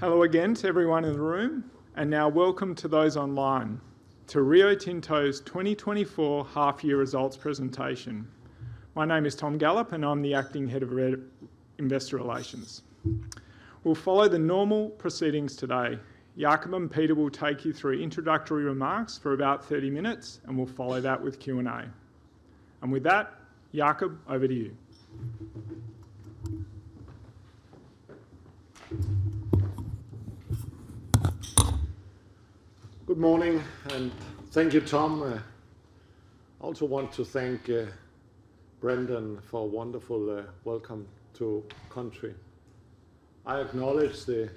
Hello again to everyone in the room, and now welcome to those online to Rio Tinto's 2024 half-year results presentation. My name is Tom Gallop, and I'm the Acting Head of Investor Relations. We'll follow the normal proceedings today. Jakob and Peter will take you through introductory remarks for about 30 minutes, and we'll follow that with Q&A. With that, Jakob, over to you. Good morning, and thank you, Tom. I also want to thank Brendan for a wonderful Welcome to Country. I acknowledge the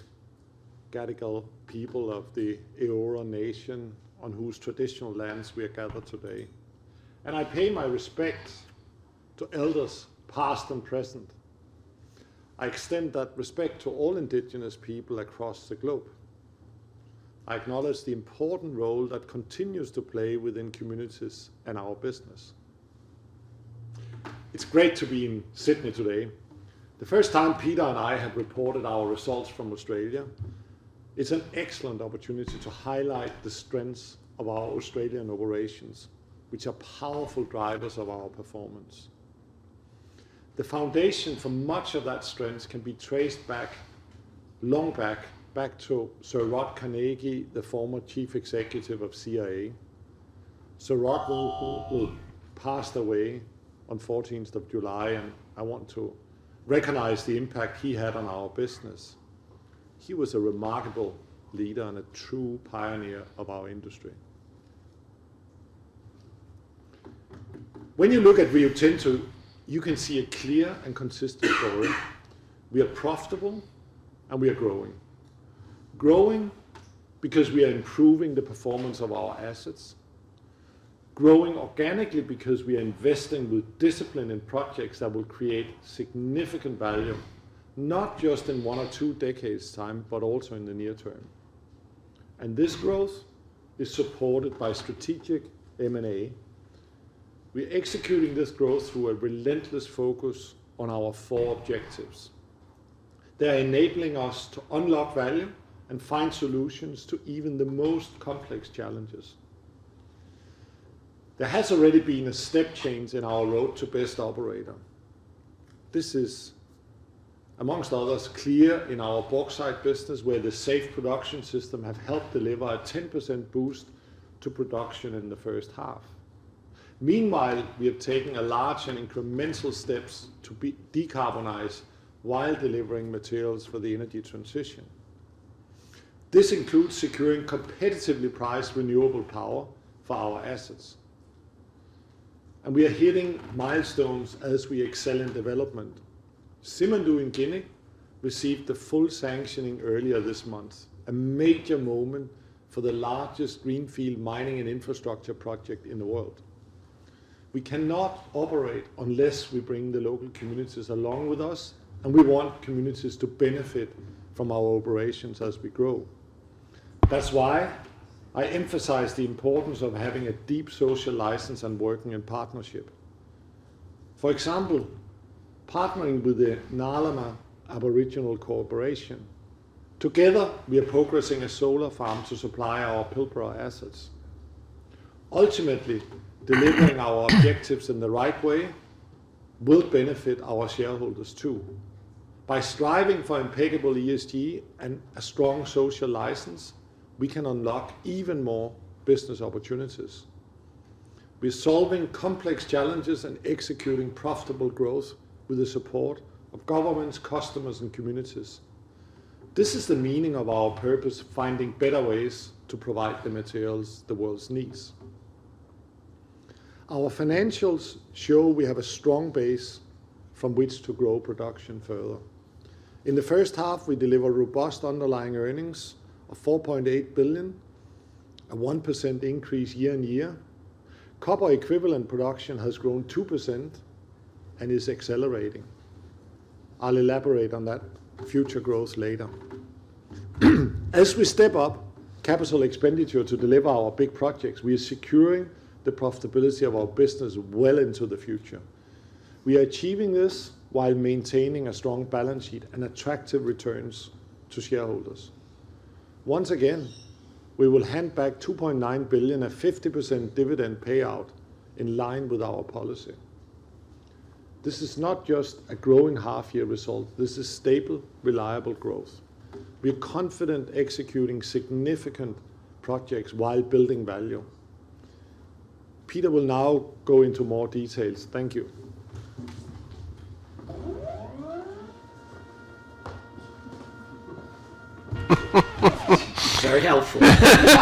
Gadigal people of the Eora Nation, on whose traditional lands we are gathered today. I pay my respects to elders past and present. I extend that respect to all Indigenous people across the globe. I acknowledge the important role that continues to play within communities and our business. It's great to be in Sydney today. The first time Peter and I have reported our results from Australia, it's an excellent opportunity to highlight the strengths of our Australian operations, which are powerful drivers of our performance. The foundation for much of that strength can be traced back, long back, back to Sir Roderick Carnegie, the former Chief Executive of CRA. Sir Rod passed away on 14th of July, and I want to recognize the impact he had on our business. He was a remarkable leader and a true pioneer of our industry. When you look at Rio Tinto, you can see a clear and consistent story. We are profitable, and we are growing. Growing because we are improving the performance of our assets. Growing organically because we are investing with discipline in projects that will create significant value, not just in one or two decades' time, but also in the near term. This growth is supported by strategic M&A. We're executing this growth through a relentless focus on our four objectives. They are enabling us to unlock value and find solutions to even the most complex challenges. There has already been a step change in our road to best operator. This is, among others, clear in our bauxite business, where the Safe Production System has helped deliver a 10% boost to production in the first half. Meanwhile, we have taken large and incremental steps to decarbonize while delivering materials for the energy transition. This includes securing competitively priced renewable power for our assets. We are hitting milestones as we excel in development. Simandou in Guinea received the full sanctioning earlier this month, a major moment for the largest greenfield mining and infrastructure project in the world. We cannot operate unless we bring the local communities along with us, and we want communities to benefit from our operations as we grow. That's why I emphasize the importance of having a deep social license and working in partnership. For example, partnering with the Ngarluma Aboriginal Corporation. Together, we are progressing a solar farm to supply our Pilbara assets. Ultimately, delivering our objectives in the right way will benefit our shareholders too. By striving for impeccable ESG and a strong social license, we can unlock even more business opportunities. We're solving complex challenges and executing profitable growth with the support of governments, customers, and communities. This is the meaning of our purpose: finding better ways to provide the materials the world needs. Our financials show we have a strong base from which to grow production further. In the first half, we deliver robust underlying earnings of $4.8 billion, a 1% increase year-on-year. Copper-equivalent production has grown 2% and is accelerating. I'll elaborate on that future growth later. As we step up capital expenditure to deliver our big projects, we are securing the profitability of our business well into the future. We are achieving this while maintaining a strong balance sheet and attractive returns to shareholders. Once again, we will hand back $2.9 billion at 50% dividend payout in line with our policy. This is not just a growing half-year result. This is stable, reliable growth. We are confident executing significant projects while building value. Peter will now go into more details. Thank you. Very helpful. Thanks,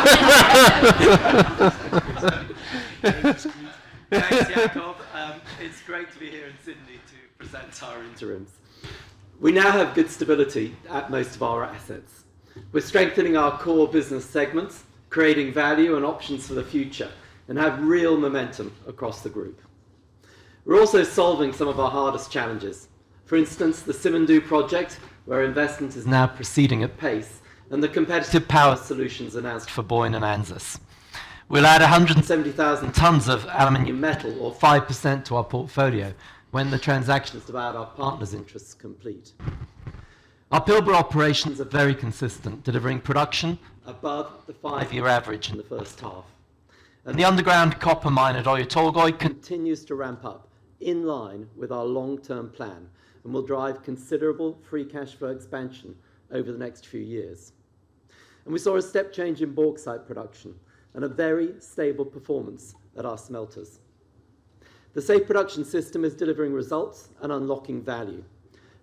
Jakob. It's great to be here in Sydney to present our interims. We now have good stability at most of our assets. We're strengthening our core business segments, creating value and options for the future, and have real momentum across the group. We're also solving some of our hardest challenges. For instance, the Simandou project, where investment is now proceeding at pace, and the competitive power solutions announced for Boyne and Alcan. We'll add 170,000 tons of aluminum metal, or 5%, to our portfolio when the transactions to add our partners' interests complete. Our Pilbara operations are very consistent, delivering production above the five-year average in the first half. And the underground copper mine at Oyu Tolgoi continues to ramp up in line with our long-term plan and will drive considerable free cash flow expansion over the next few years. We saw a step change in bauxite production and a very stable performance at our smelters. The Safe Production System is delivering results and unlocking value.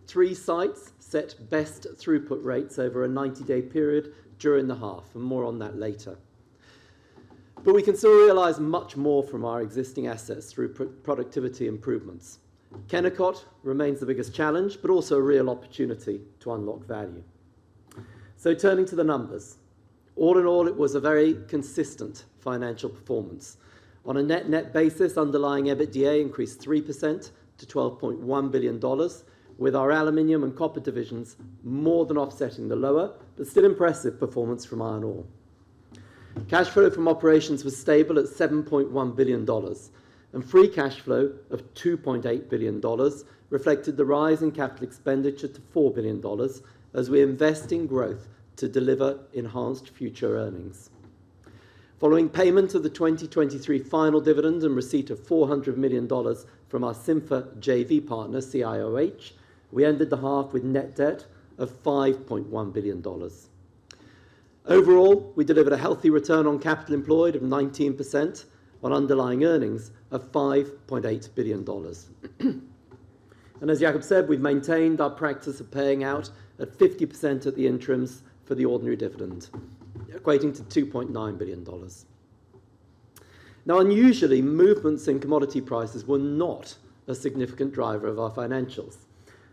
Three sites set best throughput rates over a 90-day period during the half, and more on that later. We can still realize much more from our existing assets through productivity improvements. Kennecott remains the biggest challenge, but also a real opportunity to unlock value. Turning to the numbers, all in all, it was a very consistent financial performance. On a net-net basis, underlying EBITDA increased 3% to $12.1 billion, with our aluminum and copper divisions more than offsetting the lower, but still impressive performance from iron ore. Cash flow from operations was stable at $7.1 billion, and free cash flow of $2.8 billion reflected the rise in capital expenditure to $4 billion as we invest in growth to deliver enhanced future earnings. Following payment of the 2023 final dividend and receipt of $400 million from our Simfer JV partner, CIOH, we ended the half with net debt of $5.1 billion. Overall, we delivered a healthy return on capital employed of 19% on underlying earnings of $5.8 billion. And as Jakob said, we've maintained our practice of paying out at 50% of the interims for the ordinary dividend, equating to $2.9 billion. Now, unusually, movements in commodity prices were not a significant driver of our financials.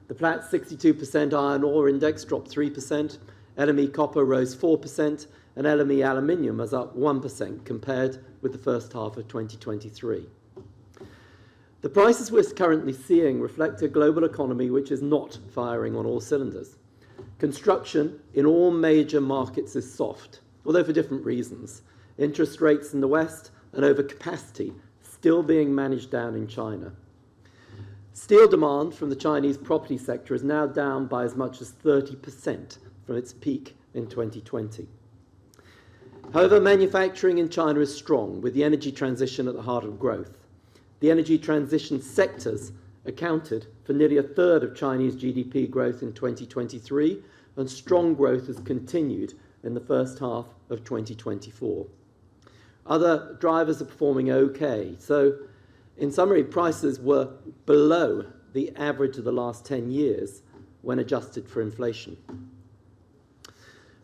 The Platts 62% iron ore index dropped 3%, LME copper rose 4%, and LME aluminum is up 1% compared with the first half of 2023. The prices we're currently seeing reflect a global economy which is not firing on all cylinders. Construction in all major markets is soft, although for different reasons. Interest rates in the West and overcapacity are still being managed down in China. Steel demand from the Chinese property sector is now down by as much as 30% from its peak in 2020. However, manufacturing in China is strong, with the energy transition at the heart of growth. The energy transition sectors accounted for nearly a third of Chinese GDP growth in 2023, and strong growth has continued in the first half of 2024. Other drivers are performing okay. So, in summary, prices were below the average of the last 10 years when adjusted for inflation.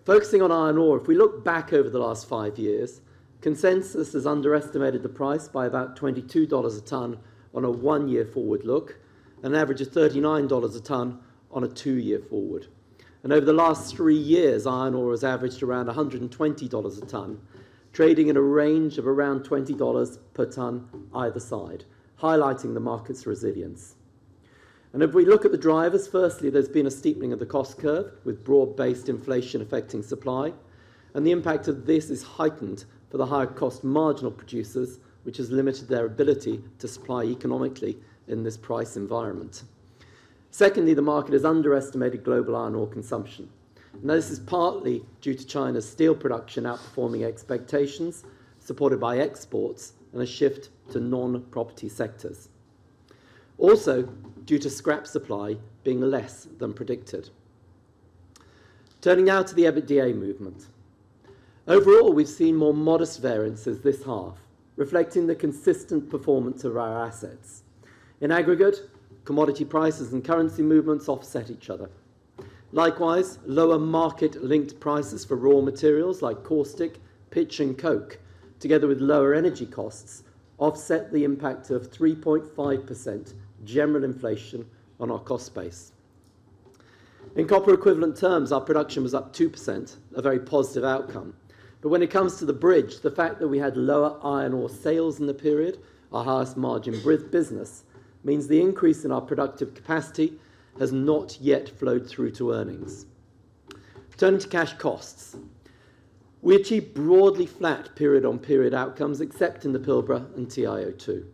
Focusing on iron ore, if we look back over the last five years, consensus has underestimated the price by about $22 a tonne on a one-year forward look and averaged $39 a tonne on a two-year forward. Over the last three years, iron ore has averaged around $120 a tonne, trading in a range of around $20 per tonne either side, highlighting the market's resilience. If we look at the drivers, firstly, there's been a steepening of the cost curve with broad-based inflation affecting supply. The impact of this is heightened for the higher-cost marginal producers, which has limited their ability to supply economically in this price environment. Secondly, the market has underestimated global iron ore consumption. Now, this is partly due to China's steel production outperforming expectations, supported by exports and a shift to non-property sectors. Also, due to scrap supply being less than predicted. Turning now to the EBITDA movement. Overall, we've seen more modest variances this half, reflecting the consistent performance of our assets. In aggregate, commodity prices and currency movements offset each other. Likewise, lower market-linked prices for raw materials like caustic, pitch, and coke, together with lower energy costs, offset the impact of 3.5% general inflation on our cost base. In copper-equivalent terms, our production was up 2%, a very positive outcome. But when it comes to the bridge, the fact that we had lower iron ore sales in the period, our highest margin business, means the increase in our productive capacity has not yet flowed through to earnings. Turning to cash costs, we achieved broadly flat period-on-period outcomes, except in the Pilbara and TiO2.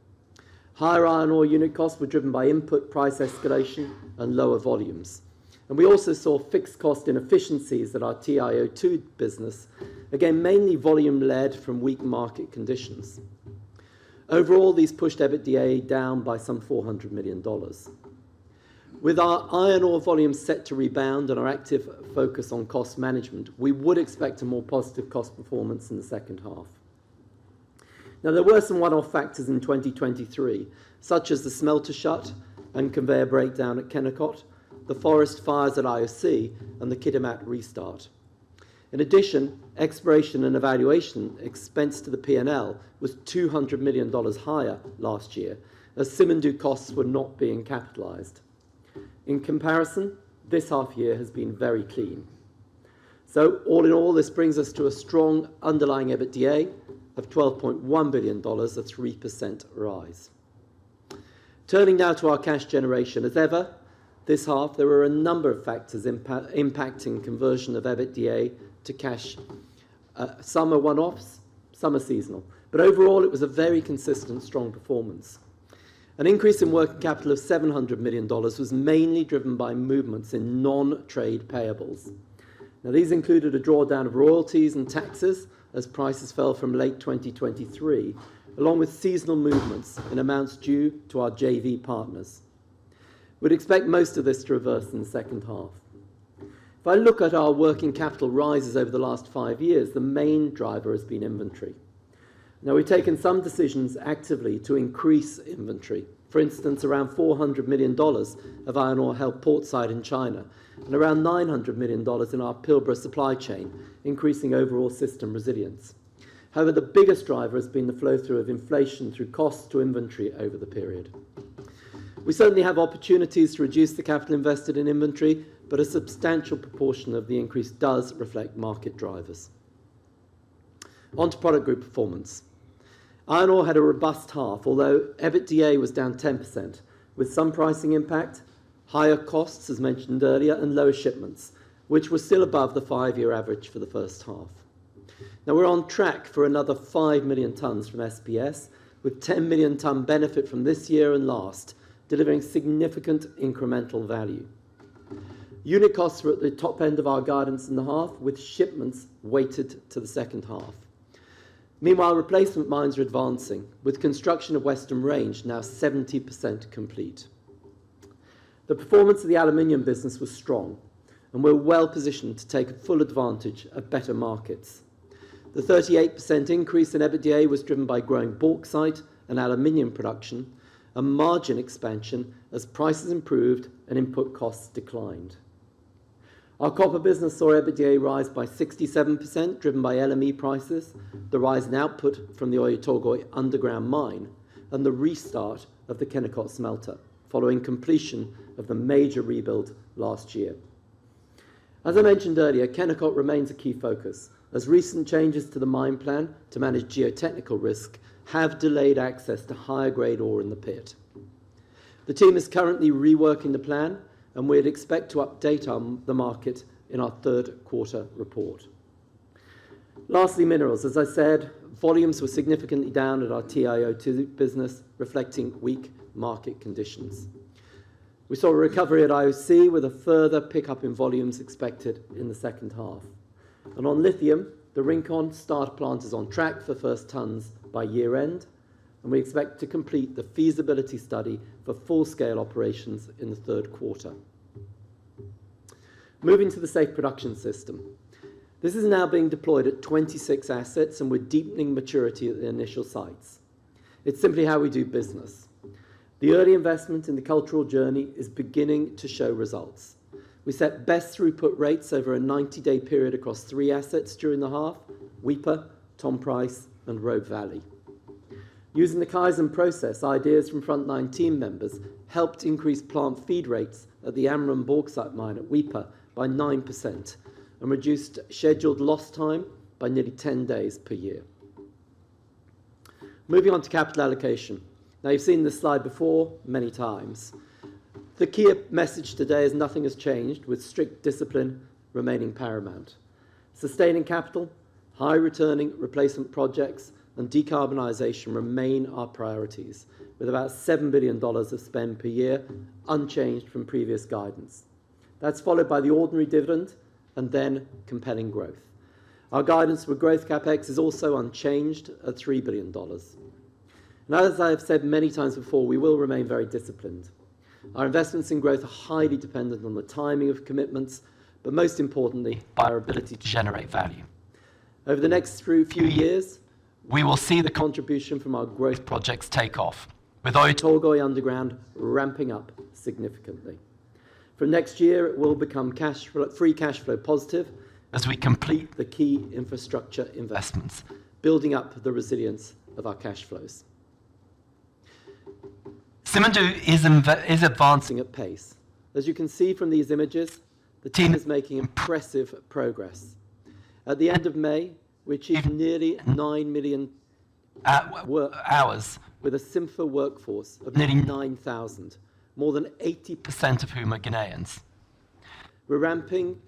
Higher iron ore unit costs were driven by input price escalation and lower volumes. And we also saw fixed cost inefficiencies at our TiO2 business, again, mainly volume-led from weak market conditions. Overall, these pushed EBITDA down by some $400 million. With our iron ore volumes set to rebound and our active focus on cost management, we would expect a more positive cost performance in the second half. Now, there were some one-off factors in 2023, such as the smelter shut and conveyor breakdown at Kennecott, the forest fires at IOC, and the Kitimat restart. In addition, exploration and evaluation expense to the P&L was $200 million higher last year as Simandou costs were not being capitalized. In comparison, this half year has been very clean. So, all in all, this brings us to a strong underlying EBITDA of $12.1 billion, a 3% rise. Turning now to our cash generation. As ever, this half, there were a number of factors impacting conversion of EBITDA to cash. Some are one-offs, some are seasonal. But overall, it was a very consistent, strong performance. An increase in working capital of $700 million was mainly driven by movements in non-trade payables. Now, these included a drawdown of royalties and taxes as prices fell from late 2023, along with seasonal movements in amounts due to our JV partners. We'd expect most of this to reverse in the second half. If I look at our working capital rises over the last five years, the main driver has been inventory. Now, we've taken some decisions actively to increase inventory. For instance, around $400 million of iron ore held portside in China and around $900 million in our Pilbara supply chain, increasing overall system resilience. However, the biggest driver has been the flow-through of inflation through costs to inventory over the period. We certainly have opportunities to reduce the capital invested in inventory, but a substantial proportion of the increase does reflect market drivers. Onto product group performance. Iron ore had a robust half, although EBITDA was down 10%, with some pricing impact, higher costs, as mentioned earlier, and lower shipments, which were still above the five-year average for the first half. Now, we're on track for another 5 million tons from SPS, with a 10 million-ton benefit from this year and last, delivering significant incremental value. Unit costs were at the top end of our guidance in the half, with shipments weighted to the second half. Meanwhile, replacement mines were advancing, with construction of Western Range now 70% complete. The performance of the aluminum business was strong, and we're well positioned to take full advantage of better markets. The 38% increase in EBITDA was driven by growing bauxite and aluminum production and margin expansion as prices improved and input costs declined. Our copper business saw EBITDA rise by 67%, driven by LME prices, the rise in output from the Oyu Tolgoi underground mine, and the restart of the Kennecott smelter following completion of the major rebuild last year. As I mentioned earlier, Kennecott remains a key focus as recent changes to the mine plan to manage geotechnical risk have delayed access to higher-grade ore in the pit. The team is currently reworking the plan, and we'd expect to update the market in our third-quarter report. Lastly, minerals. As I said, volumes were significantly down at our TiO2 business, reflecting weak market conditions. We saw a recovery at IOC with a further pickup in volumes expected in the second half. On lithium, the Rincon starter plant is on track for first tons by year-end, and we expect to complete the feasibility study for full-scale operations in the third quarter. Moving to the Safe Production System. This is now being deployed at 26 assets, and we're deepening maturity at the initial sites. It's simply how we do business. The early investment in the cultural journey is beginning to show results. We set best throughput rates over a 90-day period across three assets during the half: Weipa, Tom Price, and Robe Valley. Using the Kaizen process, ideas from frontline team members helped increase plant feed rates at the Amrun bauxite mine at Weipa by 9% and reduced scheduled lost time by nearly 10 days per year. Moving on to capital allocation. Now, you've seen this slide before many times. The key message today is nothing has changed, with strict discipline remaining paramount. Sustaining capital, high-returning replacement projects, and decarbonization remain our priorities, with about $7 billion of spend per year unchanged from previous guidance. That's followed by the ordinary dividend and then compelling growth. Our guidance for growth CapEx is also unchanged at $3 billion. Now, as I have said many times before, we will remain very disciplined. Our investments in growth are highly dependent on the timing of commitments, but most importantly, by our ability to generate value. Over the next few years, we will see the contribution from our growth projects take off, with Oyu Tolgoi underground ramping up significantly. From next year, it will become free cash flow positive as we complete the key infrastructure investments, building up the resilience of our cash flows. Simandou is advancing at pace. As you can see from these images, the team is making impressive progress. At the end of May, we achieved nearly 9 million hours with a Simfer workforce of nearly 9,000, more than 80% of whom are Guineans. We're ramping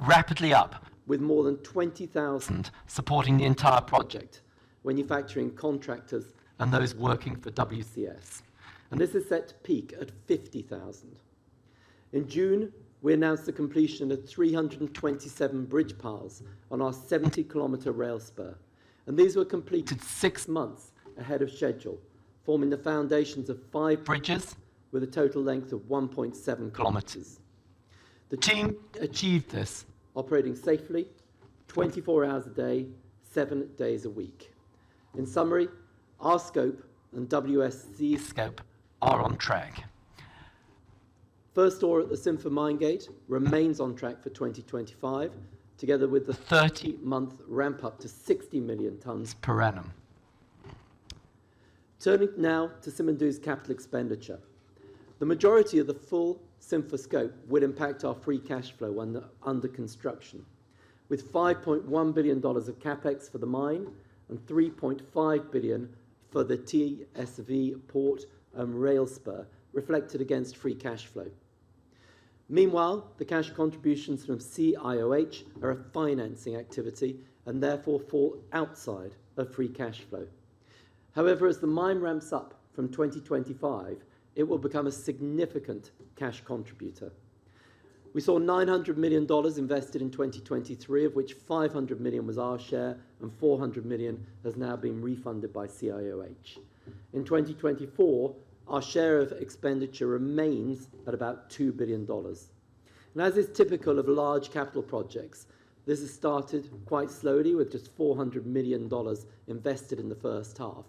rapidly up, with more than 20,000 supporting the entire project, manufacturing contractors and those working for WCS. This is set to peak at 50,000. In June, we announced the completion of 327 bridge piles on our 70-kilometer rail spur. These were completed six months ahead of schedule, forming the foundations of five bridges with a total length of 1.7 kilometers. The team achieved this, operating safely, 24 hours a day, seven days a week. In summary, our scope and WCS's scope are on track. First ore at the Simfer mine gate remains on track for 2025, together with the 30-month ramp-up to 60 million tonnes per annum. Turning now to Simandou's capital expenditure. The majority of the full Simfer scope would impact our free cash flow under construction, with $5.1 billion of CapEx for the mine and $3.5 billion for the TSV port and rail spur reflected against free cash flow. Meanwhile, the cash contributions from CIOH are a financing activity and therefore fall outside of free cash flow. However, as the mine ramps up from 2025, it will become a significant cash contributor. We saw $900 million invested in 2023, of which $500 million was our share and $400 million has now been refunded by CIOH. In 2024, our share of expenditure remains at about $2 billion. As is typical of large capital projects, this has started quite slowly with just $400 million invested in the first half.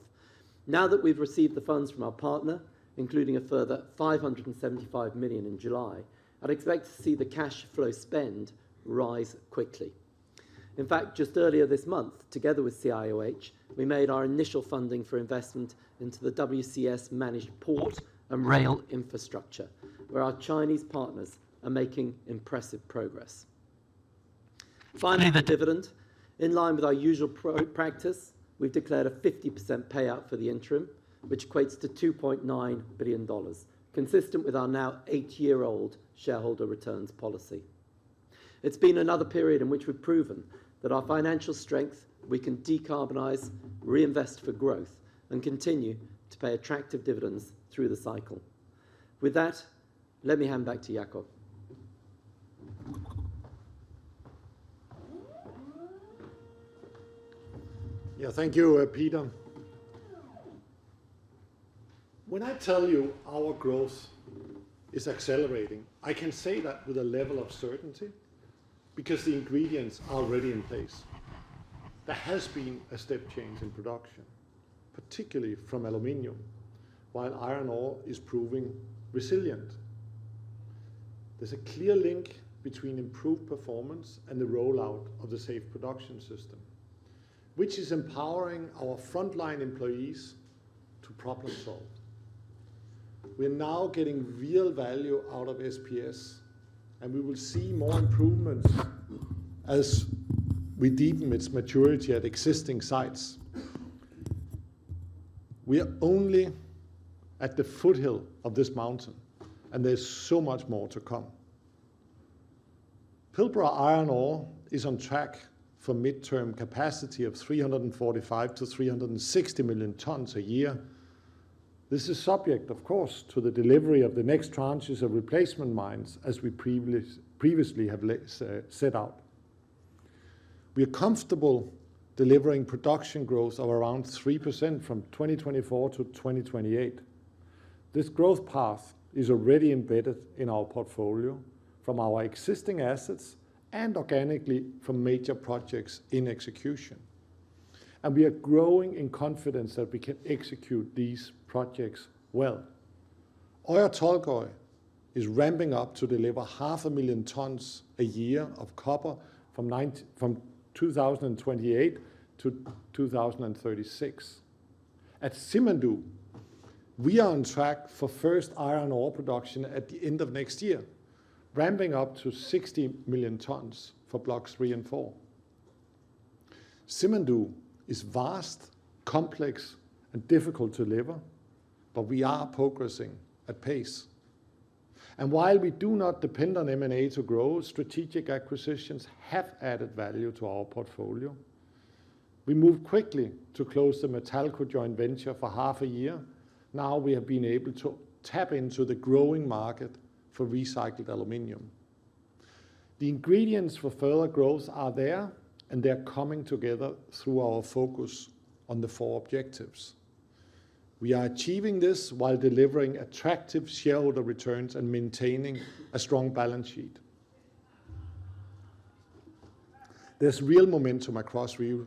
Now that we've received the funds from our partner, including a further $575 million in July, I'd expect to see the cash flow spend rise quickly. In fact, just earlier this month, together with CIOH, we made our initial funding for investment into the WCS-managed port and rail infrastructure, where our Chinese partners are making impressive progress. Finally, the dividend. In line with our usual practice, we've declared a 50% payout for the interim, which equates to $2.9 billion, consistent with our now eight-year-old shareholder returns policy. It's been another period in which we've proven that our financial strength, we can decarbonize, reinvest for growth, and continue to pay attractive dividends through the cycle. With that, let me hand back to Jakob. Yeah, thank you, Peter. When I tell you our growth is accelerating, I can say that with a level of certainty because the ingredients are already in place. There has been a step change in production, particularly from aluminum, while iron ore is proving resilient. There's a clear link between improved performance and the rollout of the Safe production system, which is empowering our frontline employees to problem-solve. We're now getting real value out of SPS, and we will see more improvements as we deepen its maturity at existing sites. We're only at the foothill of this mountain, and there's so much more to come. Pilbara iron ore is on track for midterm capacity of 345-360 million tonnes a year. This is subject, of course, to the delivery of the next tranches of replacement mines, as we previously have set out. We are comfortable delivering production growth of around 3% from 2024 to 2028. This growth path is already embedded in our portfolio from our existing assets and organically from major projects in execution. We are growing in confidence that we can execute these projects well. Oyu Tolgoi is ramping up to deliver 500,000 tonnes a year of copper from 2028 to 2036. At Simandou, we are on track for first iron ore production at the end of next year, ramping up to 60 million tonnes for blocks 3 and 4. Simandou is vast, complex, and difficult to deliver, but we are progressing at pace. And while we do not depend on M&A to grow, strategic acquisitions have added value to our portfolio. We moved quickly to close the Matalco joint venture for half a year. Now we have been able to tap into the growing market for recycled aluminum. The ingredients for further growth are there, and they're coming together through our focus on the four objectives. We are achieving this while delivering attractive shareholder returns and maintaining a strong balance sheet. There's real momentum across Rio,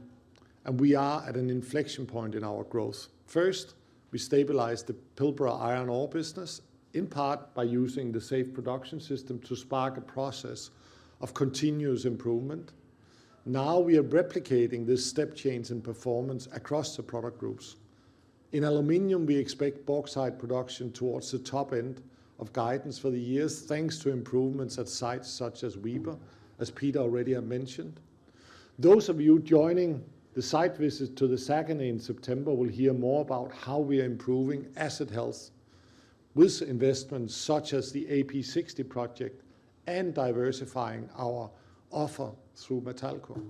and we are at an inflection point in our growth. First, we stabilized the Pilbara iron ore business in part by using the Safe Production System to spark a process of continuous improvement. Now we are replicating this step change in performance across the product groups. In aluminum, we expect bauxite production towards the top end of guidance for the year, thanks to improvements at sites such as Weipa, as Peter already mentioned. Those of you joining the site visit to the Saguenay in September will hear more about how we are improving asset health with investments such as the AP60 project and diversifying our offer through Matalco.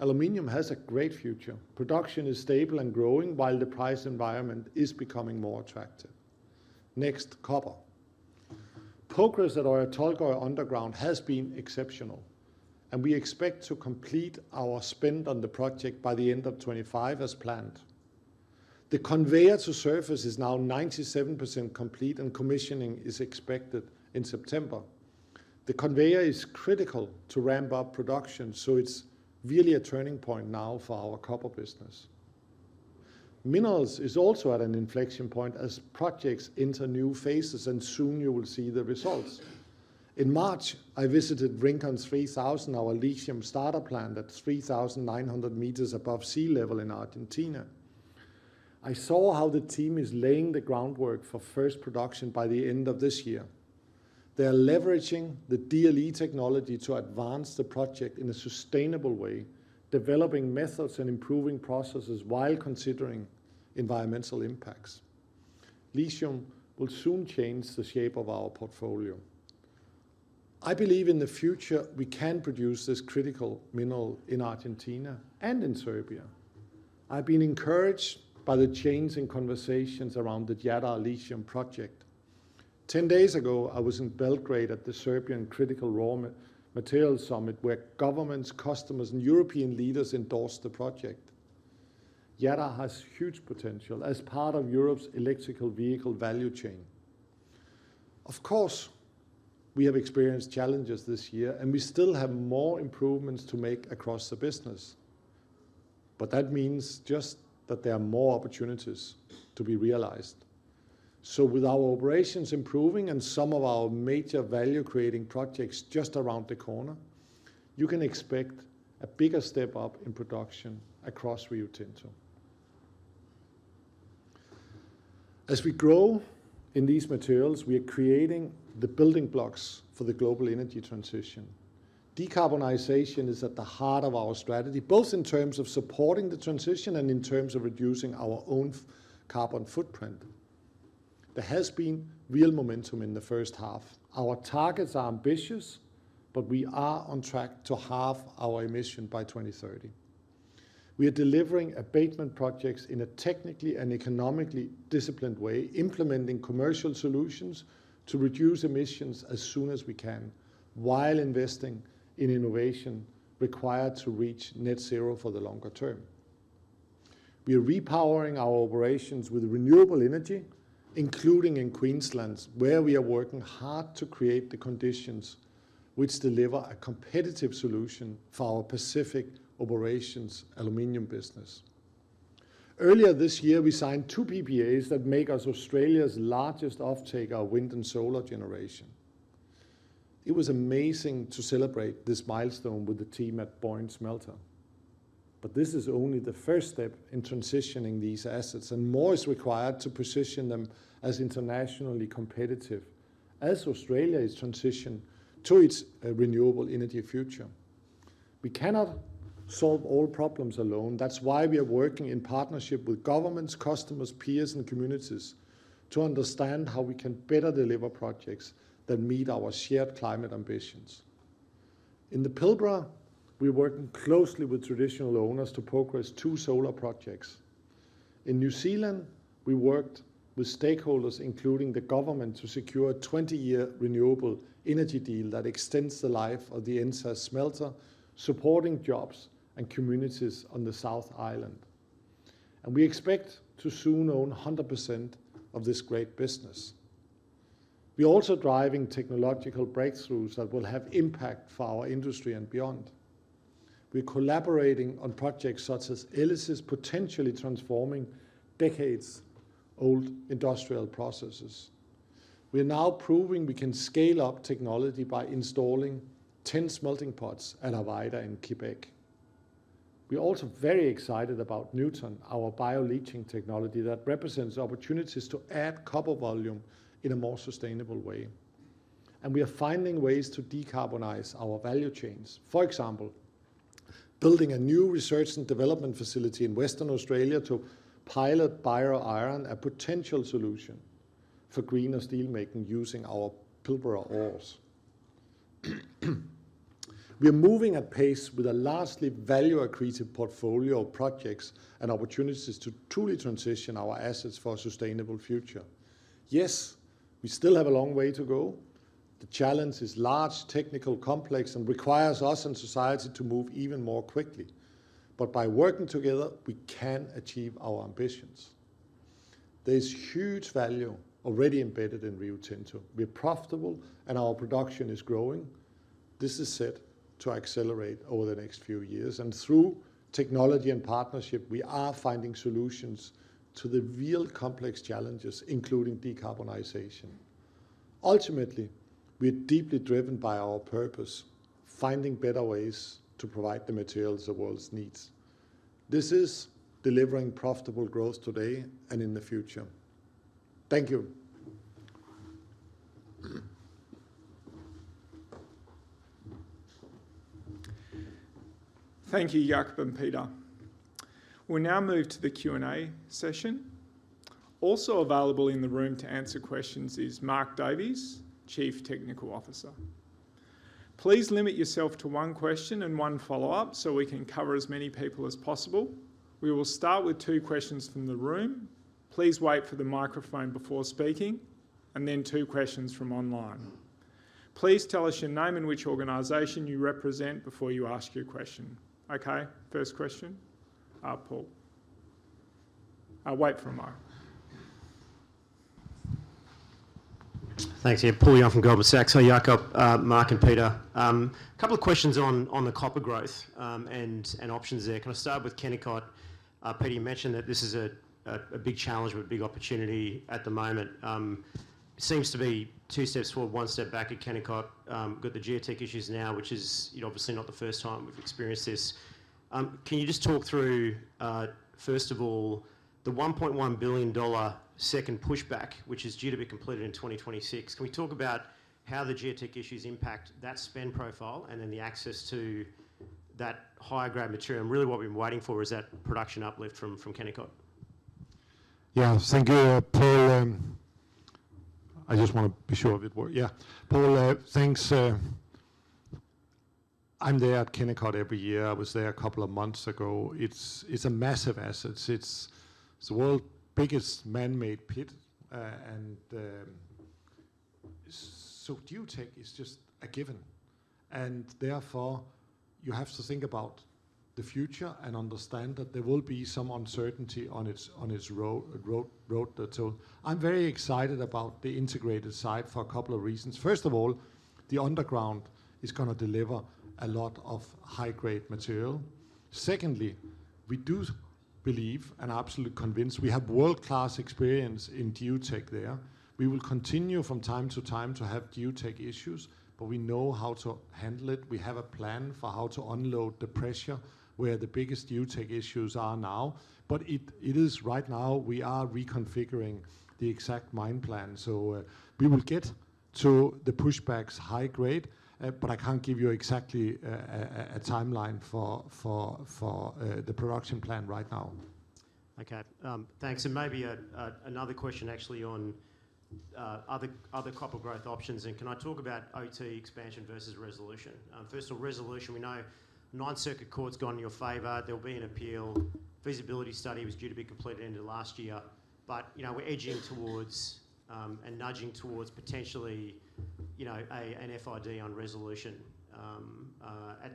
Aluminum has a great future. Production is stable and growing, while the price environment is becoming more attractive. Next, copper. Progress at Oyu Tolgoi underground has been exceptional, and we expect to complete our spend on the project by the end of 2025 as planned. The conveyor to surface is now 97% complete, and commissioning is expected in September. The conveyor is critical to ramp up production, so it's really a turning point now for our copper business. Minerals is also at an inflection point as projects enter new phases, and soon you will see the results. In March, I visited Rincon's 3,000-hour lithium pilot plant at 3,900 meters above sea level in Argentina. I saw how the team is laying the groundwork for first production by the end of this year. They are leveraging the DLE technology to advance the project in a sustainable way, developing methods and improving processes while considering environmental impacts. Lithium will soon change the shape of our portfolio. I believe in the future we can produce this critical mineral in Argentina and in Serbia. I've been encouraged by the change in conversations around the Jadar lithium project. Ten days ago, I was in Belgrade at the Serbian Critical Raw Materials Summit, where governments, customers, and European leaders endorsed the project. Jadar has huge potential as part of Europe's electric vehicle value chain. Of course, we have experienced challenges this year, and we still have more improvements to make across the business. But that means just that there are more opportunities to be realized. So with our operations improving and some of our major value-creating projects just around the corner, you can expect a bigger step up in production across Rio Tinto. As we grow in these materials, we are creating the building blocks for the global energy transition. Decarbonization is at the heart of our strategy, both in terms of supporting the transition and in terms of reducing our own carbon footprint. There has been real momentum in the first half. Our targets are ambitious, but we are on track to halve our emissions by 2030. We are delivering abatement projects in a technically and economically disciplined way, implementing commercial solutions to reduce emissions as soon as we can, while investing in innovation required to reach net zero for the longer term. We are repowering our operations with renewable energy, including in Queensland, where we are working hard to create the conditions which deliver a competitive solution for our Pacific Operations aluminum business. Earlier this year, we signed 2 PPAs that make us Australia's largest off-taker of wind and solar generation. It was amazing to celebrate this milestone with the team at Boyne Smelter. This is only the first step in transitioning these assets, and more is required to position them as internationally competitive as Australia is transitioning to its renewable energy future. We cannot solve all problems alone. That's why we are working in partnership with governments, customers, peers, and communities to understand how we can better deliver projects that meet our shared climate ambitions. In the Pilbara, we are working closely with Traditional Owners to progress two solar projects. In New Zealand, we worked with stakeholders, including the government, to secure a 20-year renewable energy deal that extends the life of the NZAS Smelter, supporting jobs and communities on the South Island. We expect to soon own 100% of this great business. We are also driving technological breakthroughs that will have impact for our industry and beyond. We are collaborating on projects such as ELISIS potentially transforming decades-old industrial processes. We are now proving we can scale up technology by installing 10 smelting pots at Arvida in Quebec. We are also very excited about Nuton, our bio-leaching technology that represents opportunities to add copper volume in a more sustainable way. We are finding ways to decarbonize our value chains, for example, building a new research and development facility in Western Australia to pilot BioIron, a potential solution for greener steelmaking using our Pilbara ores. We are moving at pace with a largely value-accretive portfolio of projects and opportunities to truly transition our assets for a sustainable future. Yes, we still have a long way to go. The challenge is large, technical, complex, and requires us and society to move even more quickly. By working together, we can achieve our ambitions. There is huge value already embedded in Rio Tinto. We are profitable, and our production is growing. This is set to accelerate over the next few years. Through technology and partnership, we are finding solutions to the real complex challenges, including decarbonization. Ultimately, we are deeply driven by our purpose, finding better ways to provide the materials the world needs. This is delivering profitable growth today and in the future. Thank you. Thank you, Jakob and Peter. We'll now move to the Q&A session. Also available in the room to answer questions is Mark Davies, Chief Technical Officer. Please limit yourself to one question and one follow-up so we can cover as many people as possible. We will start with two questions from the room. Please wait for the microphone before speaking, and then two questions from online. Please tell us your name and which organization you represent before you ask your question. Okay, first question, Paul. Wait for a moment. Thanks, Ian. Paul Young from Goldman Sachs. Hi, Jakob, Mark and Peter. A couple of questions on the copper growth and options there. Can I start with Kennecott? Peter mentioned that this is a big challenge with a big opportunity at the moment. Seems to be two steps forward, one step back at Kennecott. Got the geotech issues now, which is obviously not the first time we've experienced this. Can you just talk through, first of all, the $1.1 billion second pushback, which is due to be completed in 2026? Can we talk about how the geotech issues impact that spend profile and then the access to that higher-grade material? And really, what we've been waiting for is that production uplift from Kennecott. Yeah, thank you, Paul. I just want to be sure it works. Yeah, Paul, thanks. I'm there at Kennecott every year. I was there a couple of months ago. It's a massive asset. It's the world's biggest man-made pit. And so geotech is just a given. And therefore, you have to think about the future and understand that there will be some uncertainty on its road too. I'm very excited about the integrated site for a couple of reasons. First of all, the underground is going to deliver a lot of high-grade material. Secondly, we do believe, and I'm absolutely convinced we have world-class experience in geotech there. We will continue from time to time to have geotech issues, but we know how to handle it. We have a plan for how to unload the pressure where the biggest geotech issues are now. But it is right now we are reconfiguring the exact mine plan. So we will get to the pushbacks high grade, but I can't give you exactly a timeline for the production plan right now. Okay, thanks. Maybe another question actually on other copper growth options. Can I talk about OT expansion versus resolution? First of all, resolution, we know Ninth Circuit Court's gone in your favor. There'll be an appeal. Feasibility study was due to be completed end of last year. But we're edging towards and nudging towards potentially an FID on resolution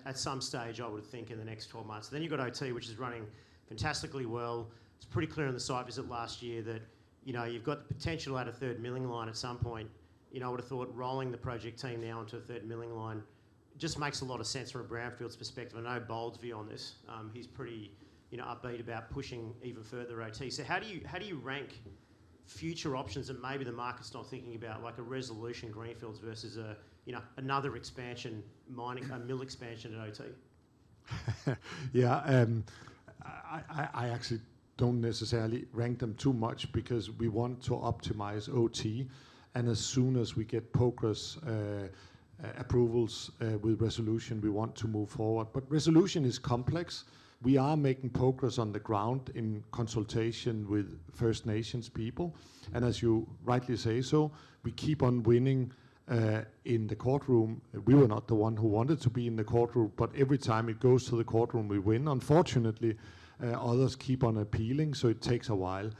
at some stage, I would think, in the next 12 months. Then you've got OT, which is running fantastically well. It's pretty clear in the site visit last year that you've got the potential at a third milling line at some point. I would have thought rolling the project team now into a third milling line just makes a lot of sense from a brownfields perspective. I know Bold's view on this. He's pretty upbeat about pushing even further OT. So how do you rank future options that maybe the market's not thinking about, like a resolution greenfields versus another expansion, a mill expansion at OT? Yeah, I actually don't necessarily rank them too much because we want to optimize OT. And as soon as we get progress approvals with resolution, we want to move forward. But resolution is complex. We are making progress on the ground in consultation with First Nations people. And as you rightly say so, we keep on winning in the courtroom. We were not the one who wanted to be in the courtroom, but every time it goes to the courtroom, we win. Unfortunately, others keep on appealing, so it takes a while.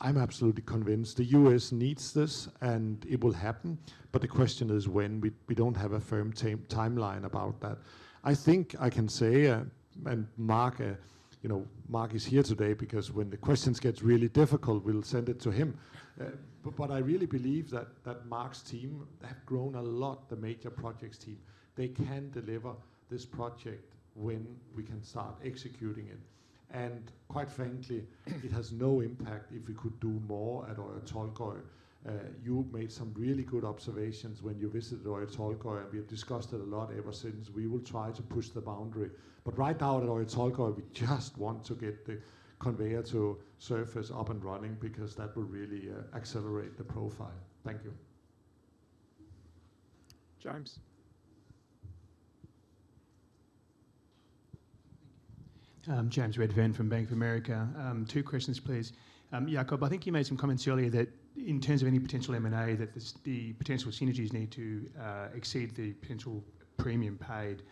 I'm absolutely convinced the U.S. needs this, and it will happen. But the question is when. We don't have a firm timeline about that. I think I can say, and Mark, Mark is here today because when the questions get really difficult, we'll send it to him. But I really believe that Mark's team have grown a lot, the major projects team. They can deliver this project when we can start executing it. And quite frankly, it has no impact if we could do more at Oyu Tolgoi. You made some really good observations when you visited Oyu Tolgoi, and we have discussed it a lot ever since. We will try to push the boundary. But right now at Oyu Tolgoi, we just want to get the conveyor to surface up and running because that will really accelerate the profile. Thank you. James. James Redfern from Bank of America. Two questions, please. Jakob, I think you made some comments earlier that in terms of any potential M&A, that the potential synergies need to exceed the potential premium paid,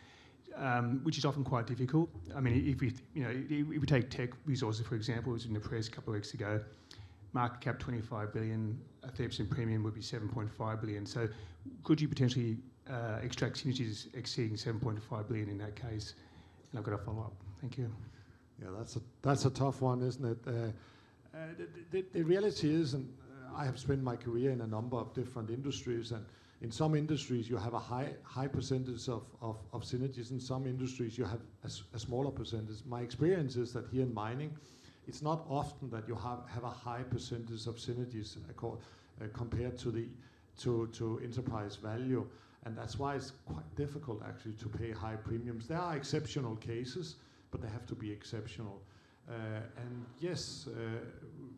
which is often quite difficult. I mean, if we take Teck Resources, for example, it was in the press a couple of weeks ago, market cap $25 billion, a 30% premium would be $7.5 billion. So could you potentially extract synergies exceeding $7.5 billion in that case? And I've got a follow-up. Thank you. Yeah, that's a tough one, isn't it? The reality is, I have spent my career in a number of different industries, and in some industries, you have a high percentage of synergies. In some industries, you have a smaller percentage. My experience is that here in mining, it's not often that you have a high percentage of synergies compared to enterprise value. And that's why it's quite difficult actually to pay high premiums. There are exceptional cases, but they have to be exceptional. And yes,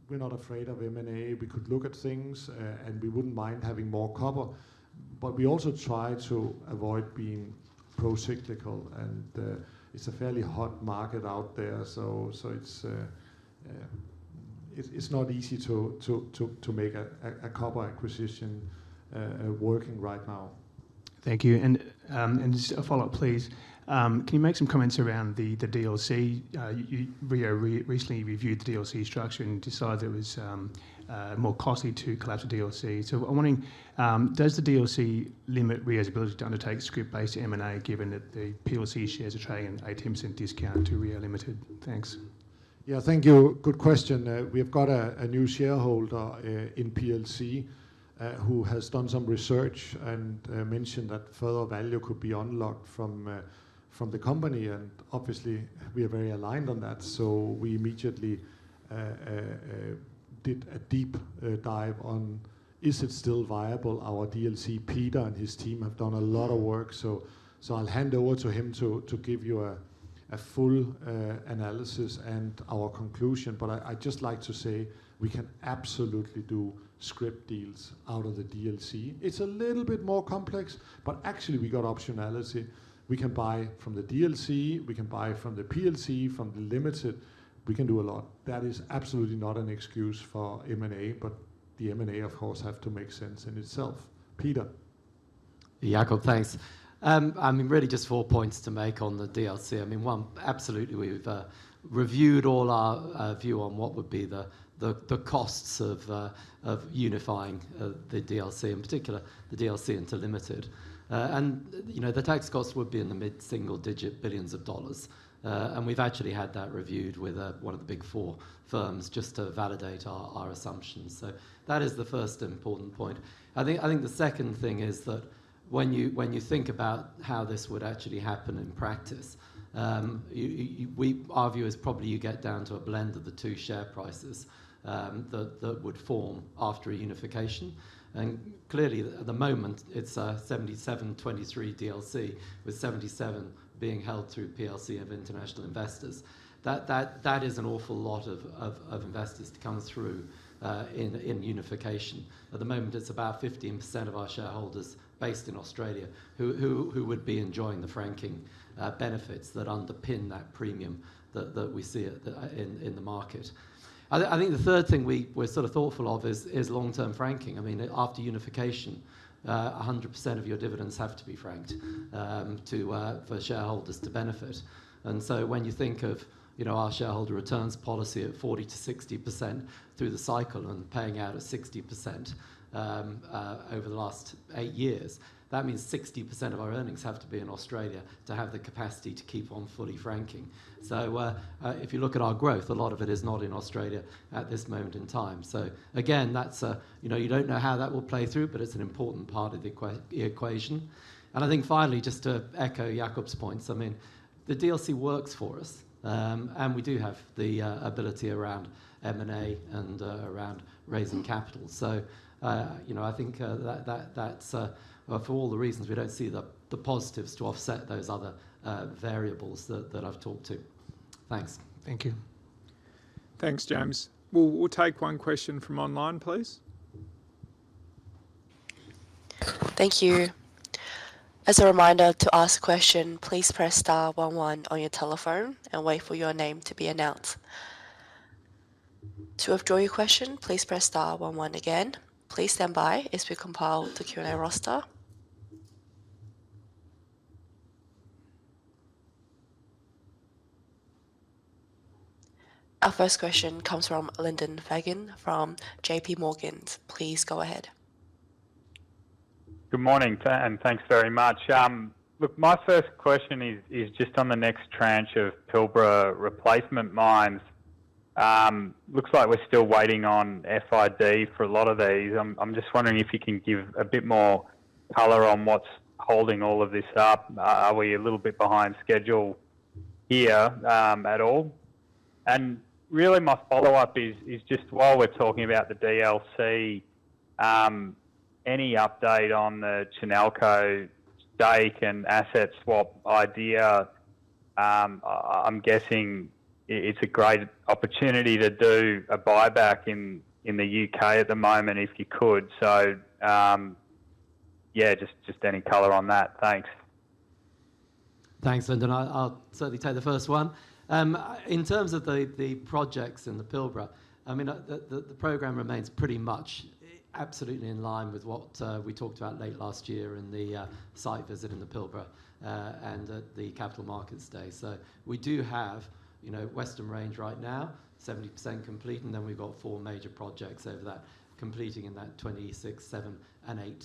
we're not afraid of M&A. We could look at things, and we wouldn't mind having more copper. But we also try to avoid being pro-cyclical, and it's a fairly hot market out there. So it's not easy to make a copper acquisition working right now. Thank you. And just a follow-up, please. Can you make some comments around the DLC? Rio recently reviewed the DLC structure and decided it was more costly to collapse the DLC. So I'm wondering, does the DLC limit Rio's ability to undertake scrip-based M&A given that the PLC shares are trading at an 18% discount to Rio Limited? Thanks. Yeah, thank you. Good question. We have got a new shareholder in PLC who has done some research and mentioned that further value could be unlocked from the company. And obviously, we are very aligned on that. So we immediately did a deep dive on, is it still viable? Our DLC, Peter, and his team have done a lot of work. So I'll hand over to him to give you a full analysis and our conclusion. But I'd just like to say we can absolutely do scrip deals out of the DLC. It's a little bit more complex, but actually, we got optionality. We can buy from the DLC. We can buy from the PLC, from the Limited. We can do a lot. That is absolutely not an excuse for M&A, but the M&A, of course, has to make sense in itself. Peter. Jakob, thanks. I mean, really just four points to make on the DLC. I mean, one, absolutely, we've reviewed all our views on what would be the costs of unifying the DLC, in particular the DLC into limited. And the tax cost would be in the mid-single-digit billions of dollars. And we've actually had that reviewed with one of the big four firms just to validate our assumptions. So that is the first important point. I think the second thing is that when you think about how this would actually happen in practice, we argue is probably you get down to a blend of the two share prices that would form after a unification. And clearly, at the moment, it's a 77-23 DLC with 77 being held through PLC of international investors. That is an awful lot of investors to come through in unification. At the moment, it's about 15% of our shareholders based in Australia who would be enjoying the franking benefits that underpin that premium that we see in the market. I think the third thing we're sort of thoughtful of is long-term franking. I mean, after unification, 100% of your dividends have to be franked for shareholders to benefit. And so when you think of our shareholder returns policy at 40%-60% through the cycle and paying out at 60% over the last eight years, that means 60% of our earnings have to be in Australia to have the capacity to keep on fully franking. So if you look at our growth, a lot of it is not in Australia at this moment in time. So again, you don't know how that will play through, but it's an important part of the equation. And I think finally, just to echo Jakob's points, I mean, the DLC works for us, and we do have the ability around M&A and around raising capital. So I think that's for all the reasons, we don't see the positives to offset those other variables that I've talked to. Thanks. Thank you. Thanks, James. We'll take one question from online, please. Thank you. As a reminder to ask a question, please press star one one on your telephone and wait for your name to be announced. To withdraw your question, please press star one one again. Please stand by as we compile the Q&A roster. Our first question comes from Lyndon Fagan from JPMorgan. Please go ahead. Good morning, and thanks very much. Look, my first question is just on the next tranche of Pilbara replacement mines. Looks like we're still waiting on FID for a lot of these. I'm just wondering if you can give a bit more color on what's holding all of this up. Are we a little bit behind schedule here at all? And really, my follow-up is just while we're talking about the DLC, any update on the Chinalco stake and asset swap idea? I'm guessing it's a great opportunity to do a buyback in the UK at the moment if you could. So yeah, just any color on that. Thanks. Thanks, Lyndon. I'll certainly take the first one. In terms of the projects in the Pilbara, I mean, the program remains pretty much absolutely in line with what we talked about late last year in the site visit in the Pilbara and at the Capital Markets Day. So we do have Western Range right now, 70% complete, and then we've got 4 major projects over that completing in that 2026, 2027, and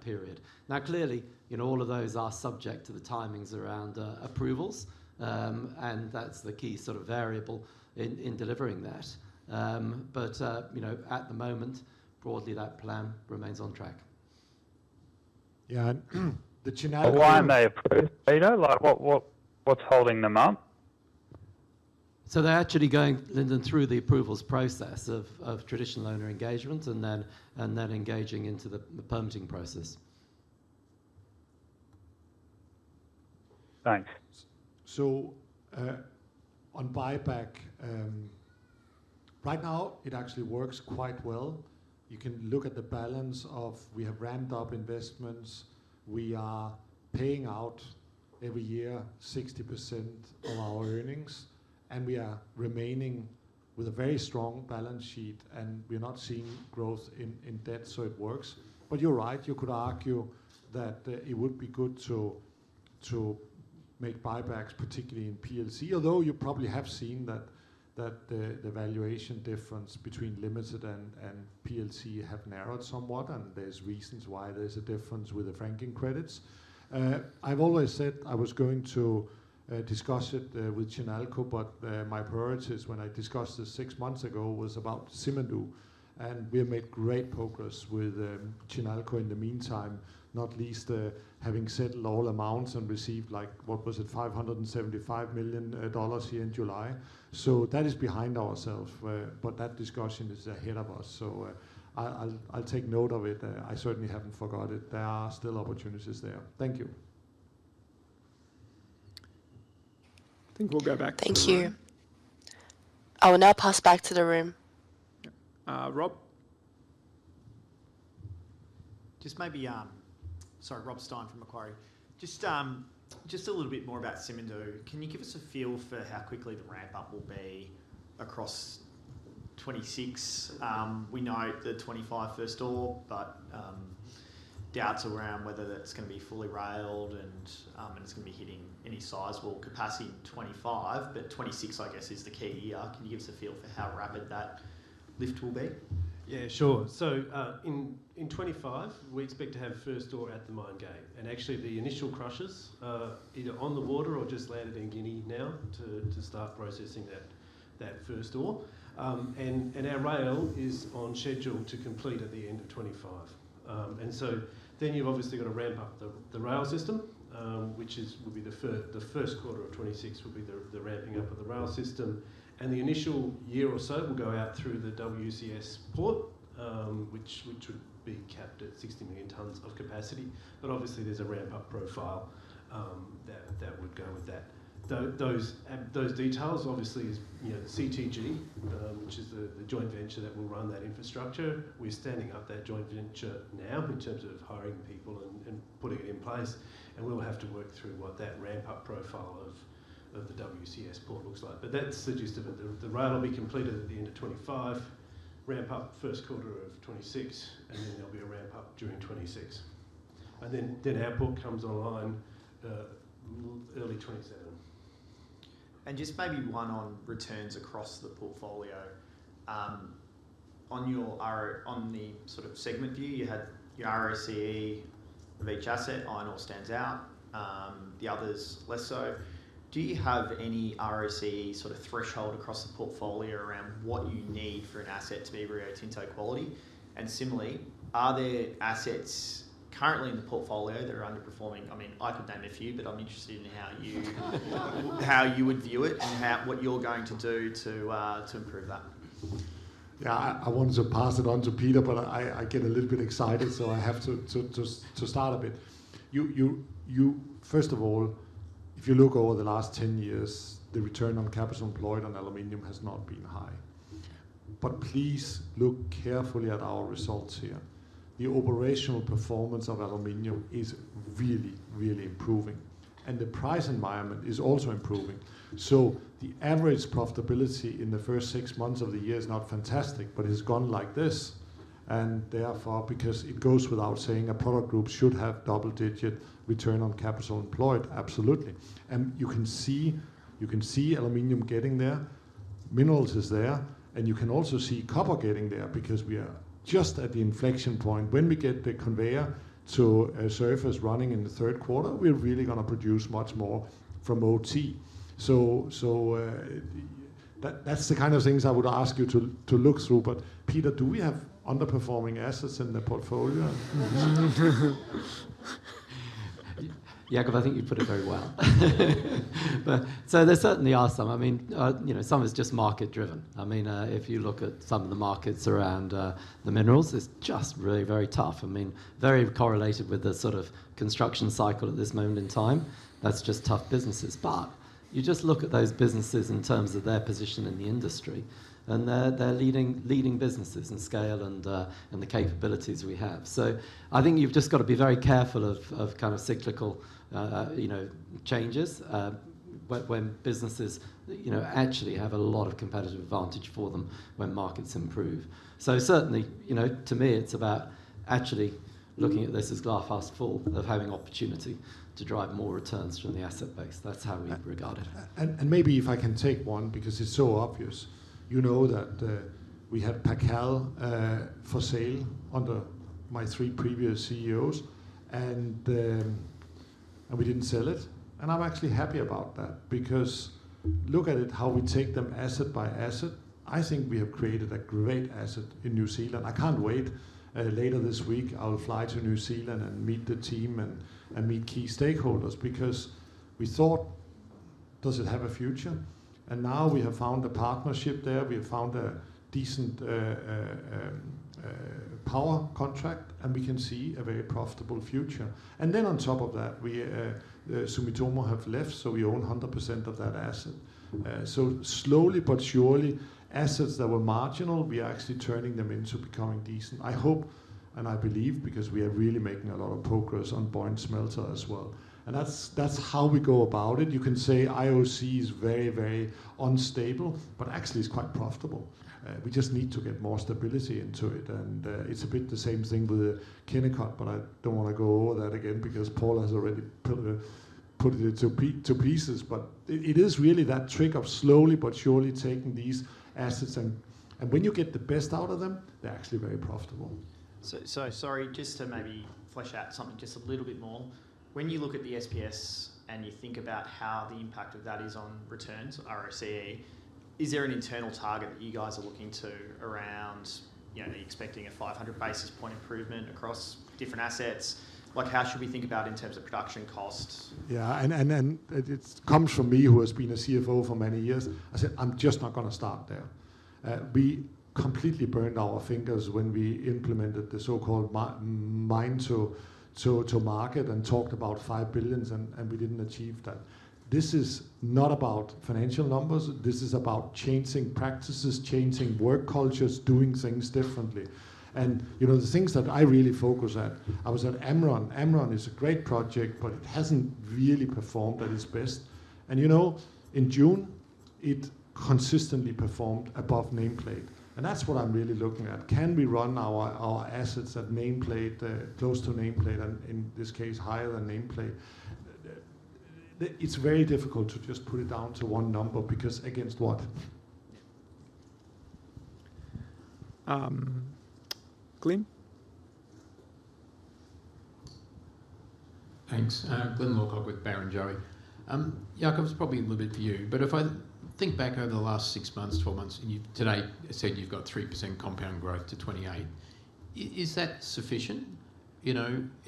2028 period. Now, clearly, all of those are subject to the timings around approvals, and that's the key sort of variable in delivering that. But at the moment, broadly, that plan remains on track. Yeah, and the Chinalco Why may approve? Do you know what's holding them up? So they're actually going, Lyndon, through the approvals process of traditional owner engagement and then engaging into the permitting process. Thanks. So on buyback, right now, it actually works quite well. You can look at the balance sheet we have ramped up investments. We are paying out every year 60% of our earnings, and we are remaining with a very strong balance sheet, and we're not seeing growth in debt, so it works. But you're right. You could argue that it would be good to make buybacks, particularly in PLC, although you probably have seen that the valuation difference between limited and PLC have narrowed somewhat, and there's reasons why there's a difference with the franking credits. I've always said I was going to discuss it with Chinalco, but my priorities when I discussed this six months ago was about Simandou, and we have made great progress with Chinalco in the meantime, not least having settled all amounts and received like, what was it, $575 million here in July. So that is behind ourselves, but that discussion is ahead of us. So I'll take note of it. I certainly haven't forgot it. There are still opportunities there. Thank you.I think we'll go back to the room. Thank you. I will now pass back to the room. Rob? Just maybe, sorry, Rob Stein from Macquarie. Just a little bit more about Simandou. Can you give us a feel for how quickly the ramp-up will be across 2026? We know the 2025 first ore, but doubts around whether that's going to be fully railed and it's going to be hitting any size full capacity in 2025, but 2026, I guess, is the key. Can you give us a feel for how rapid that lift will be? Yeah, sure. So in 2025, we expect to have first ore at the mine gate. And actually, the initial crushers are either on the water or just landed in Guinea now to start processing that first ore. And our rail is on schedule to complete at the end of 2025. And so then you've obviously got to ramp up the rail system, which will be the first quarter of 2026, will be the ramping up of the rail system. And the initial year or so will go out through the WCS port, which would be capped at 60 million tons of capacity. But obviously, there's a ramp-up profile that would go with that. Those details, obviously, is CTG, which is the joint venture that will run that infrastructure. We're standing up that joint venture now in terms of hiring people and putting it in place. And we'll have to work through what that ramp-up profile of the WCS port looks like. But that's suggestive of the rail will be completed at the end of 2025, ramp-up first quarter of 2026, and then there'll be a ramp-up during 2026. And then output comes online early 2027. And just maybe one on returns across the portfolio. On the sort of segment view, you had your ROCE of each asset, iron ore stands out, the others less so. Do you have any ROCE sort of threshold across the portfolio around what you need for an asset to be Rio Tinto quality? And similarly, are there assets currently in the portfolio that are underperforming? I mean, I could name a few, but I'm interested in how you would view it and what you're going to do to improve that. Yeah, I wanted to pass it on to Peter, but I get a little bit excited, so I have to start a bit. First of all, if you look over the last 10 years, the return on capital employed on aluminum has not been high. But please look carefully at our results here. The operational performance of aluminum is really, really improving. And the price environment is also improving. So the average profitability in the first six months of the year is not fantastic, but it has gone like this. Therefore, because it goes without saying, a product group should have double-digit Return on Capital Employed, absolutely. You can see aluminum getting there. Minerals is there. You can also see copper getting there because we are just at the inflection point. When we get the conveyor to surface running in the third quarter, we're really going to produce much more from OT. So that's the kind of things I would ask you to look through. But Peter, do we have underperforming assets in the portfolio? Jakob, I think you've put it very well. So there certainly are some. I mean, some is just market-driven. I mean, if you look at some of the markets around the minerals, it's just really very tough. I mean, very correlated with the sort of construction cycle at this moment in time. That's just tough businesses. But you just look at those businesses in terms of their position in the industry. And they're leading businesses and scale and the capabilities we have. So I think you've just got to be very careful of kind of cyclical changes when businesses actually have a lot of competitive advantage for them when markets improve. So certainly, to me, it's about actually looking at this as glass half full of having opportunity to drive more returns from the asset base. That's how we've regarded it. And maybe if I can take one because it's so obvious, you know that we had Pacific Aluminium for sale under my three previous CEOs, and we didn't sell it. And I'm actually happy about that because look at it, how we take them asset by asset. I think we have created a great asset in New Zealand. I can't wait. Later this week, I'll fly to New Zealand and meet the team and meet key stakeholders because we thought, does it have a future? And now we have found a partnership there. We have found a decent power contract, and we can see a very profitable future. And then on top of that, Sumitomo have left, so we own 100% of that asset. So slowly but surely, assets that were marginal, we are actually turning them into becoming decent. I hope and I believe because we are really making a lot of progress on Boyne Smelter as well. And that's how we go about it. You can say IOC is very, very unstable, but actually it's quite profitable. We just need to get more stability into it. It's a bit the same thing with Kennecott, but I don't want to go over that again because Paul has already put it into pieces. But it is really that trick of slowly but surely taking these assets. And when you get the best out of them, they're actually very profitable. So sorry, just to maybe flesh out something just a little bit more. When you look at the SPS and you think about how the impact of that is on returns, ROCE, is there an internal target that you guys are looking to around expecting a 500 basis points improvement across different assets? How should we think about it in terms of production costs? Yeah, and it comes from me who has been a CFO for many years. I said, "I'm just not going to start there." We completely burned our fingers when we implemented the so-called mine to market and talked about $5 billion, and we didn't achieve that. This is not about financial numbers. This is about changing practices, changing work cultures, doing things differently. And the things that I really focus at, I was at Amrun. Amrun is a great project, but it hasn't really performed at its best. And in June, it consistently performed above nameplate. And that's what I'm really looking at. Can we run our assets at nameplate, close to nameplate, and in this case, higher than nameplate? It's very difficult to just put it down to one number because against what? Glyn? Thanks. Glyn Lawcock with Barrenjoey. Jakob, it's probably a little bit for you. But if I think back over the last six months, 12 months, and today I said you've got 3% compound growth to 2028. Is that sufficient in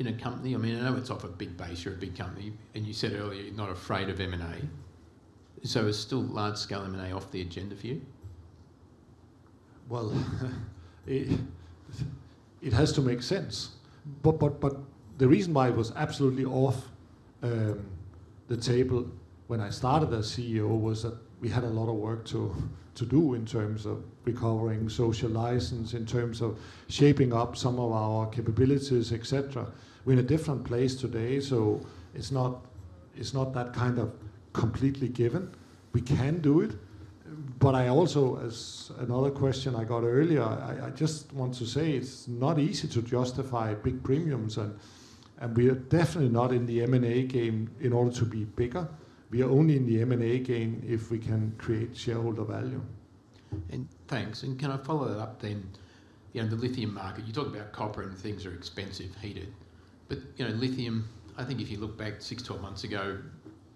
a company? I mean, I know it's off a big base. You're a big company. And you said earlier you're not afraid of M&A. So is still large-scale M&A off the agenda for you? Well, it has to make sense. But the reason why it was absolutely off the table when I started as CEO was that we had a lot of work to do in terms of recovering social license, in terms of shaping up some of our capabilities, etc. We're in a different place today, so it's not that kind of completely given. We can do it. But I also, as another question I got earlier, I just want to say it's not easy to justify big premiums. And we are definitely not in the M&A game in order to be bigger. We are only in the M&A game if we can create shareholder value. And thanks. And can I follow that up then? The lithium market, you talk about copper and things are expensive, heated. But lithium, I think if you look back 6, 12 months ago,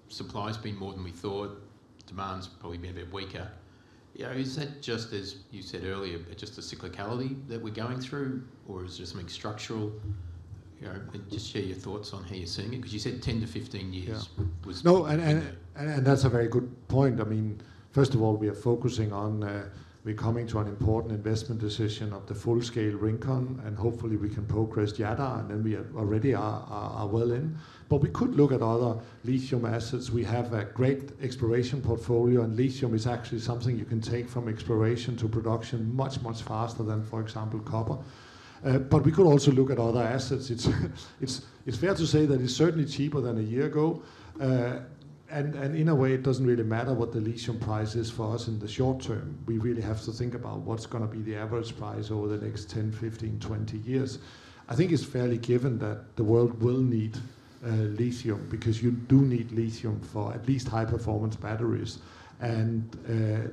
supply has been more than we thought. Demand's probably been a bit weaker. Is that just, as you said earlier, just a cyclicality that we're going through, or is there something structural? Just share your thoughts on how you're seeing it because you said 10-15 years was. No, and that's a very good point. I mean, first of all, we are focusing on we're coming to an important investment decision of the full-scale Rincon. And hopefully, we can progress the other. And then we already are well in. But we could look at other lithium assets. We have a great exploration portfolio. And lithium is actually something you can take from exploration to production much, much faster than, for example, copper. But we could also look at other assets. It's fair to say that it's certainly cheaper than a year ago. And in a way, it doesn't really matter what the lithium price is for us in the short term. We really have to think about what's going to be the average price over the next 10, 15, 20 years. I think it's fairly given that the world will need lithium because you do need lithium for at least high-performance batteries. And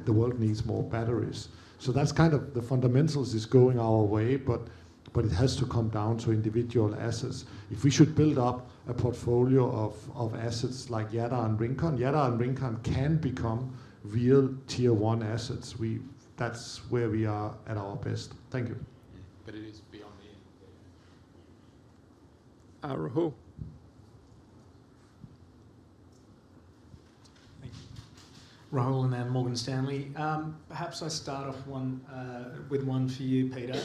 the world needs more batteries. So that's kind of the fundamentals is going our way, but it has to come down to individual assets. If we should build up a portfolio of assets like Jadar and Rincon, Jadar and Rincon can become real Tier 1 assets. That's where we are at our best. Thank you. But it is beyond the end there. Rahul? Thank you. Rahul and then Morgan Stanley. Perhaps I start off with one for you, Peter.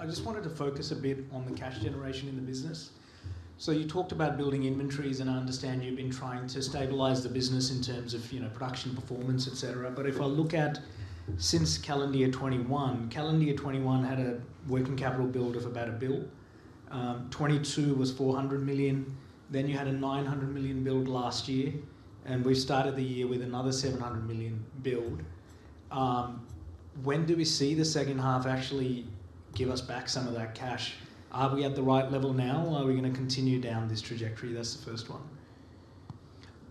I just wanted to focus a bit on the cash generation in the business. So you talked about building inventories. And I understand you've been trying to stabilize the business in terms of production performance, etc. But if I look at since calendar year 2021, calendar year 2021 had a working capital build of about $1 billion. 2022 was $400 million. Then you had a $900 million build last year. And we've started the year with another $700 million build. When do we see the second half actually give us back some of that cash? Are we at the right level now? Are we going to continue down this trajectory? That's the first one.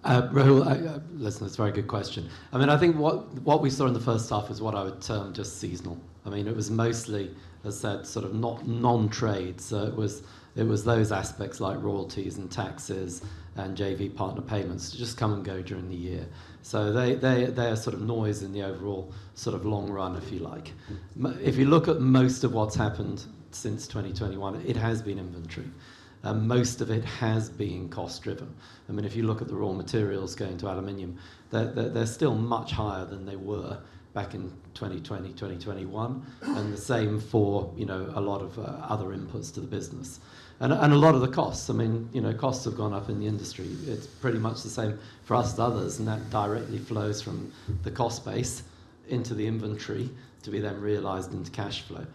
Rahul? Listen, that's a very good question. I mean, I think what we saw in the first half is what I would term just seasonal. I mean, it was mostly, as I said, sort of non-trade. So it was those aspects like royalties and taxes and JV partner payments just come and go during the year. So they are sort of noise in the overall sort of long run, if you like. If you look at most of what's happened since 2021, it has been inventory. Most of it has been cost-driven. I mean, if you look at the raw materials going to aluminum, they're still much higher than they were back in 2020, 2021. And the same for a lot of other inputs to the business. A lot of the costs, I mean, costs have gone up in the industry. It's pretty much the same for us as others. And that directly flows from the cost base into the inventory to be then realized into cash flow.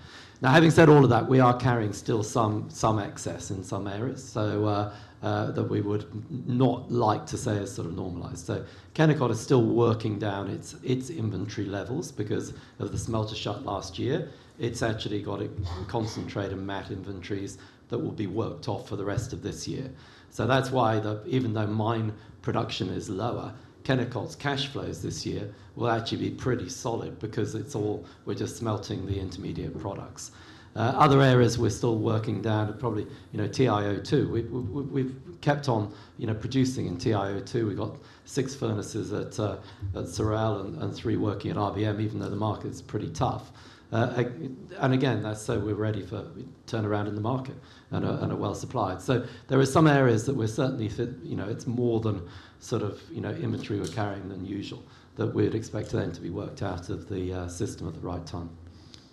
Now, having said all of that, we are carrying still some excess in some areas that we would not like to say is sort of normalized. So Kennecott is still working down its inventory levels because of the smelter shut last year. It's actually got concentrate and matte inventories that will be worked off for the rest of this year. So that's why even though mine production is lower, Kennecott's cash flows this year will actually be pretty solid because it's all we're just smelting the intermediate products. Other areas we're still working down are probably TiO2. We've kept on producing in TiO2. We've got 6 furnaces at Sorel and 3 working at RBM, even though the market is pretty tough. And again, that's so we're ready for turnaround in the market and a well-supplied. So there are some areas that we're certainly it's more than sort of inventory we're carrying than usual that we'd expect them to be worked out of the system at the right time.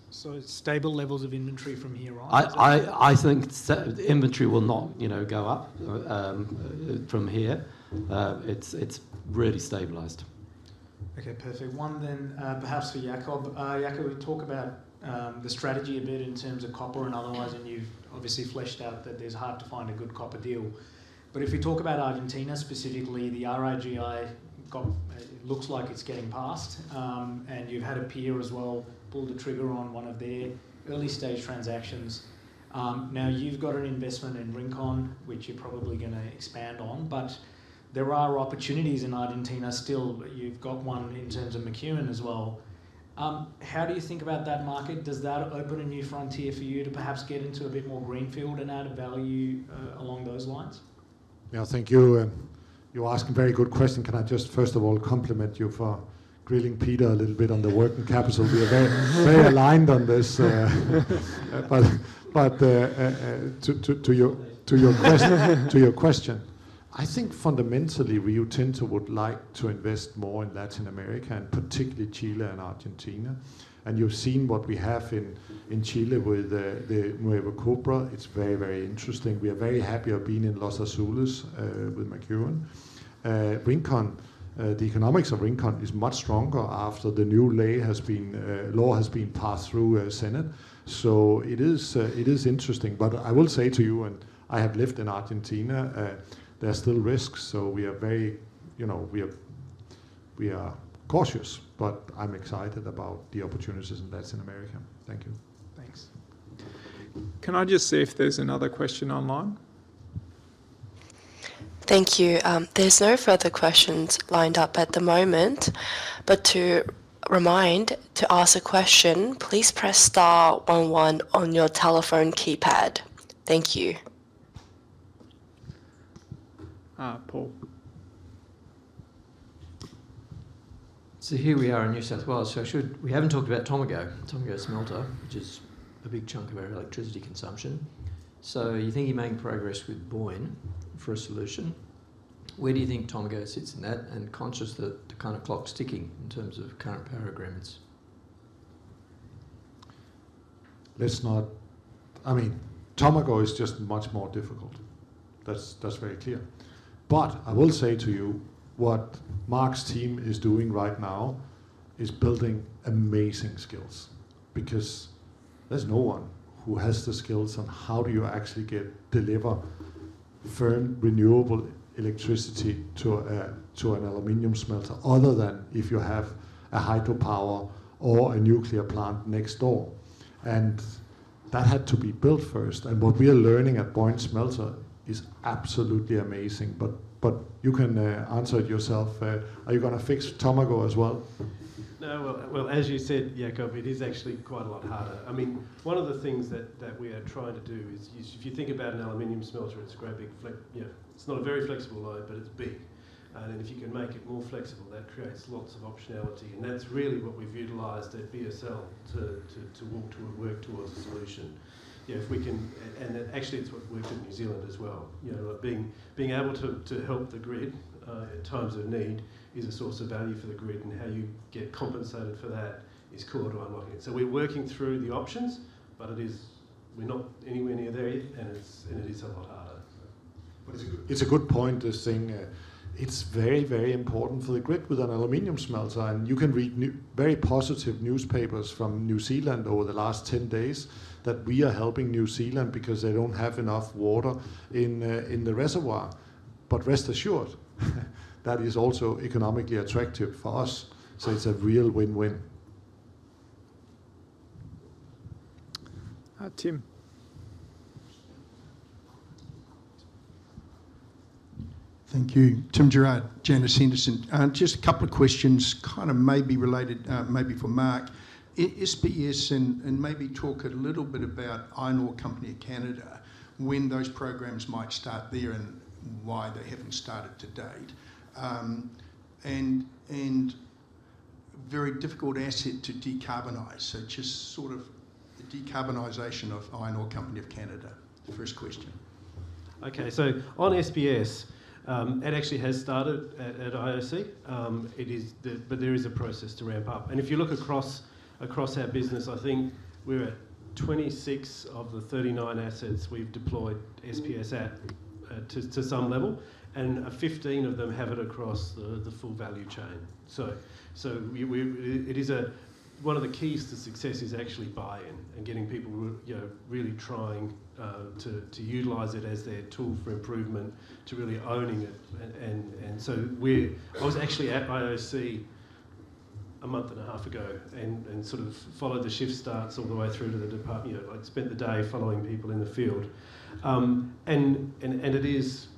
So stable levels of inventory from here on? I think inventory will not go up from here. It's really stabilized. Okay, perfect. One, then, perhaps for Jakob. Jakob, we talk about the strategy a bit in terms of copper and otherwise. And you've obviously fleshed out that it's hard to find a good copper deal. But if we talk about Argentina specifically, the RIGI looks like it's getting past. And you've had a peer as well pull the trigger on one of their early-stage transactions. Now, you've got an investment in Rincon, which you're probably going to expand on. But there are opportunities in Argentina still. You've got one in terms of McEwen as well. How do you think about that market? Does that open a new frontier for you to perhaps get into a bit more greenfield and add value along those lines? Yeah, I think you're asking a very good question. Can I just, first of all, compliment you for grilling Peter a little bit on the working capital? We are very aligned o n this. But to your question, I think fundamentally, Rio Tinto would like to invest more in Latin America and particularly Chile and Argentina. And you've seen what we have in Chile with Nuevo Cobre. It's very, very interesting. We are very happy of being in Los Azules with McEwen. Rincon, the economics of Rincon is much stronger after the new law has been passed through Senate. So it is interesting. But I will say to you, and I have lived in Argentina, there are still risks. So we are very cautious. But I'm excited about the opportunities in Latin America. Thank you. Thanks. Can I just see if there's another question online? Thank you. There's no further questions lined up at the moment. But to remind, to ask a question, please press star one one on your telephone keypad. Thank you. Paul. So here we are in New South Wales. So we haven't talked about Tomago. Tomago is a smelter, which is a big chunk of our electricity consumption. So you think you're making progress with Boyne for a solution. Where do you think Tomago sits in that? Conscious of the kind of clock sticking in terms of current power agreements? I mean, Tomago is just much more difficult. That's very clear. But I will say to you, what Mark's team is doing right now is building amazing skills because there's no one who has the skills on how do you actually deliver firm, renewable electricity to an aluminum smelter other than if you have a hydropower or a nuclear plant next door. And that had to be built first. And what we are learning at Boyne Smelter is absolutely amazing. But you can answer it yourself. Are you going to fix Tomago as well? No. Well, as you said, Jakob, it is actually quite a lot harder. I mean, one of the things that we are trying to do is if you think about an aluminum smelter, it's a great big flip. It's not a very flexible load, but it's big. And if you can make it more flexible, that creates lots of optionality. And that's really what we've utilized at BSL to work towards a solution. And actually, it's what's worked in New Zealand as well. Being able to help the grid in times of need is a source of value for the grid. And how you get compensated for that is core to unlocking it. So we're working through the options, but we're not anywhere near there yet. And it is a lot harder. But it's a good point to think. It's very, very important for the grid with an aluminum smelter. And you can read very positive newspapers from New Zealand over the last 10 days that we are helping New Zealand because they don't have enough water in the reservoir. But rest assured, that is also economically attractive for us. So it's a real win-win. Tim. Thank you. Tim Gerard, Janus Henderson. Just a couple of questions, kind of maybe related, maybe for Mark. SPS and maybe talk a little bit about Iron Ore Company of Canada, when those programs might start there and why they haven't started to date. And very difficult asset to decarbonize. So just sort of the decarbonization of Iron Ore Company of Canada, the first question. Okay. So on SPS, it actually has started at IOC. But there is a process to ramp up. And if you look across our business, I think we're at 26 of the 39 assets we've deployed SPS at to some level. And 15 of them have it across the full value chain. So it is one of the keys to success is actually buy-in and getting people really trying to utilize it as their tool for improvement, to really owning it. And so I was actually at IOC a month and a half ago and sort of followed the shift starts all the way through to the department. I spent the day following people in the field. And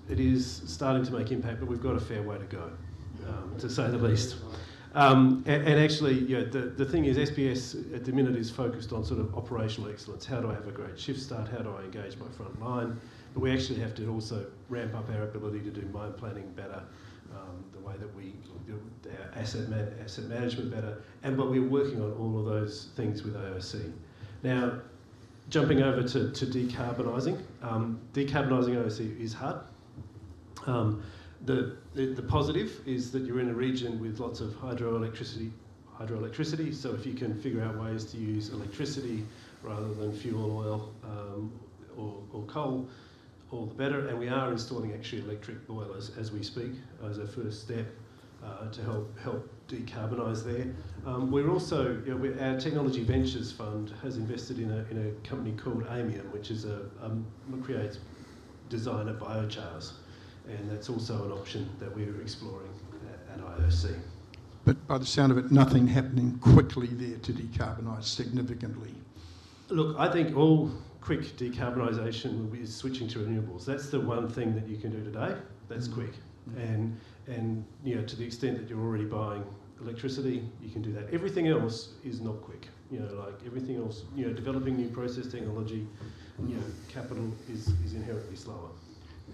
it is starting to make impact, but we've got a fair way to go, to say the least. And actually, the thing is SPS at the minute is focused on sort of operational excellence. How do I have a great shift start? How do I engage my front line? But we actually have to also ramp up our ability to do mine planning better, the way that we asset management better. And but we're working on all of those things with IOC. Now, jumping over to decarbonizing. Decarbonizing IOC is hard. The positive is that you're in a region with lots of hydroelectricity. So if you can figure out ways to use electricity rather than fuel oil or coal, all the better. We are installing actually electric boilers as we speak as a first step to help decarbonize there. We're also—our technology ventures fund has invested in a company called Aymium, which creates design of biochars. That's also an option that we're exploring at IOC. But by the sound of it, nothing happening quickly there to decarbonize significantly. Look, I think all quick decarbonization is switching to renewables. That's the one thing that you can do today that's quick. To the extent that you're already buying electricity, you can do that. Everything else is not quick. Everything else, developing new process technology, capital is inherently slower.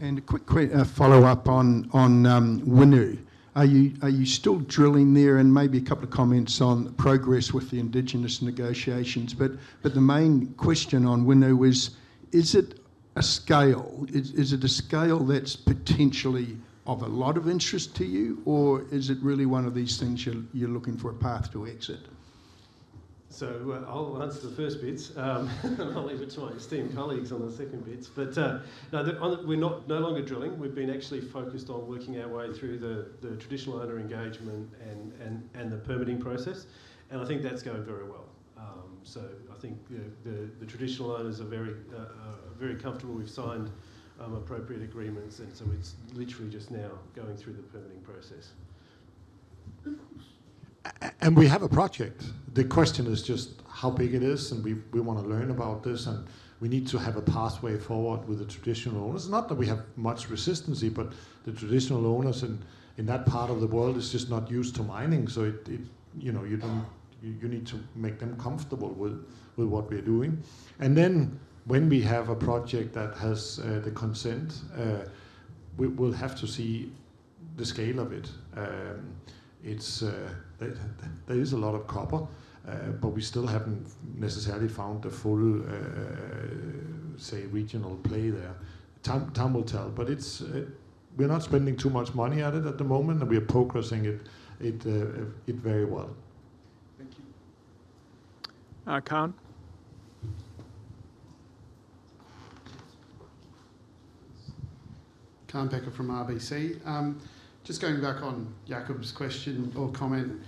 A quick follow-up on Winu. Are you still drilling there? And maybe a couple of comments on progress with the Indigenous negotiations. But the main question on Winu is, is it a scale? Is it a scale that's potentially of a lot of interest to you? Or is it really one of these things you're looking for a path to exit? So I'll answer the first bits. I'll leave it to my esteemed colleagues on the second bits. But no, we're no longer drilling. We've been actually focused on working our way through the Traditional Owner engagement and the permitting process. And I think that's going very well. So I think the Traditional Owners are very comfortable. We've signed appropriate agreements. And so it's literally just now going through the permitt ing process. And we have a project. The question is just how big it is. We want to learn about this. We need to have a pathway forward with the traditional owners. Not that we have much resistance, but the traditional owners in that part of the world is just not used to mining. So you need to make them comfortable with what we're doing. Then when we have a project that has the consent, we'll have to see the scale of it. There is a lot of copper, but we stil l haven't necessarily found the full, say, regional play there. Time will tell. But we're not spending too much money at it at the moment. We're progressing it very well. Thank you. Kaan. Kaan Peker from RBC. Just going back on Jakob's question or comment,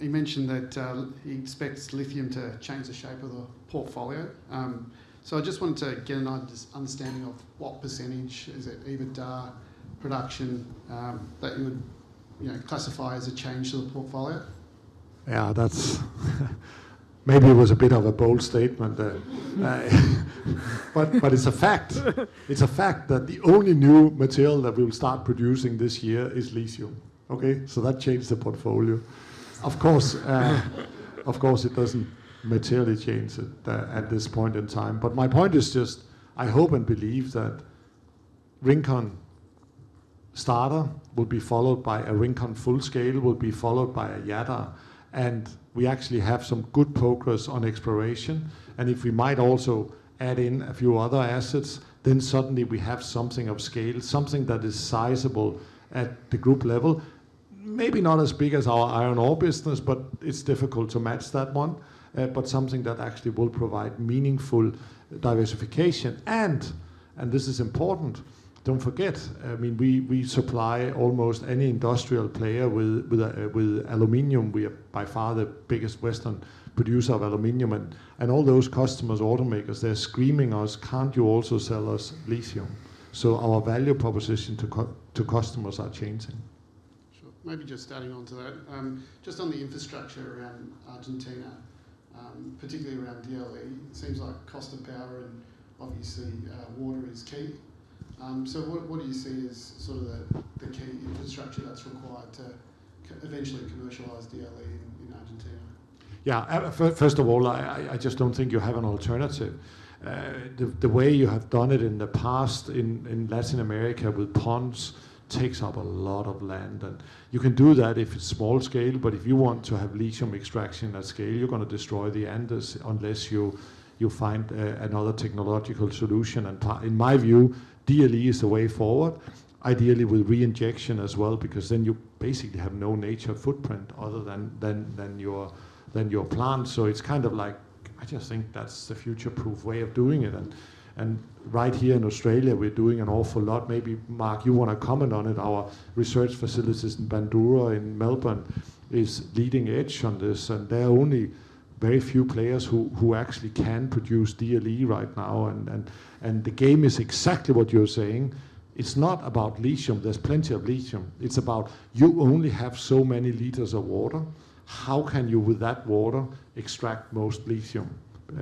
he mentioned that he expects lithium to change the shape of the portfolio. So I just wanted to get an understanding of what percentage is it, EBITDA production, that you would classify as a change to the portfolio? Yeah, that's maybe it was a bit of a bold statement. But it's a fact. It's a fact that the only new material that we will start producing this year is lithium. Okay? So that changes the portfolio. Of course, it doesn't materially change it at this point in time. But my point is just I hope and believe that Rincon starter would be followed by a Rincon full scale, which would be followed by a Jadar. And we actually have some good progress on exploration. And if we might also add in a few other assets, then suddenly we have something of scale, something that is sizable at the group level. Maybe not as big as our iron ore business, but it's difficult to match that one. But something that actually will provide meaningful diversification. And this is important. Don't forget, I mean, we supply almost any industrial player with aluminum. We are by far the biggest Western producer of aluminum. And all those customers, automakers, they're screaming us, "Can't you also sell us lithium?" So our value proposition to customers are changing. Sure. Maybe just starting onto that. Just on the infrastructure around Argentina, particularly around DLE, it seems like cost of power and obviously water is key. So what do you see as sort of the key infrastructure that's required to eventually commercialize DLE in Argentina? Yeah. First of all, I just don't think you have an\ alternative. The way you have done it in the past in Latin America with ponds takes up a lot of land. You can do that if it's small scale. But if you want to have lithium extraction at scale, you're going to destroy the Andes unless you find another technological solution. In my view, DLE is the way forward, ideally with reinjection as well, because then you basically have no nature footprint other than your plant. So it's kind of like, I just think that's the future-proof way of doing it. Right here in Australia, we're doing an awful lot. Maybe Mark, you want to comment on it. Our research facilities in Bundoora in Melbourne is leading edge on this. There are only very few players who actually can produce DLE right now. The game is exactly what you're saying. It's not about lithium. There's plenty of lithium. It's about you only have so many liters of water. How can you with that water extract most lithium?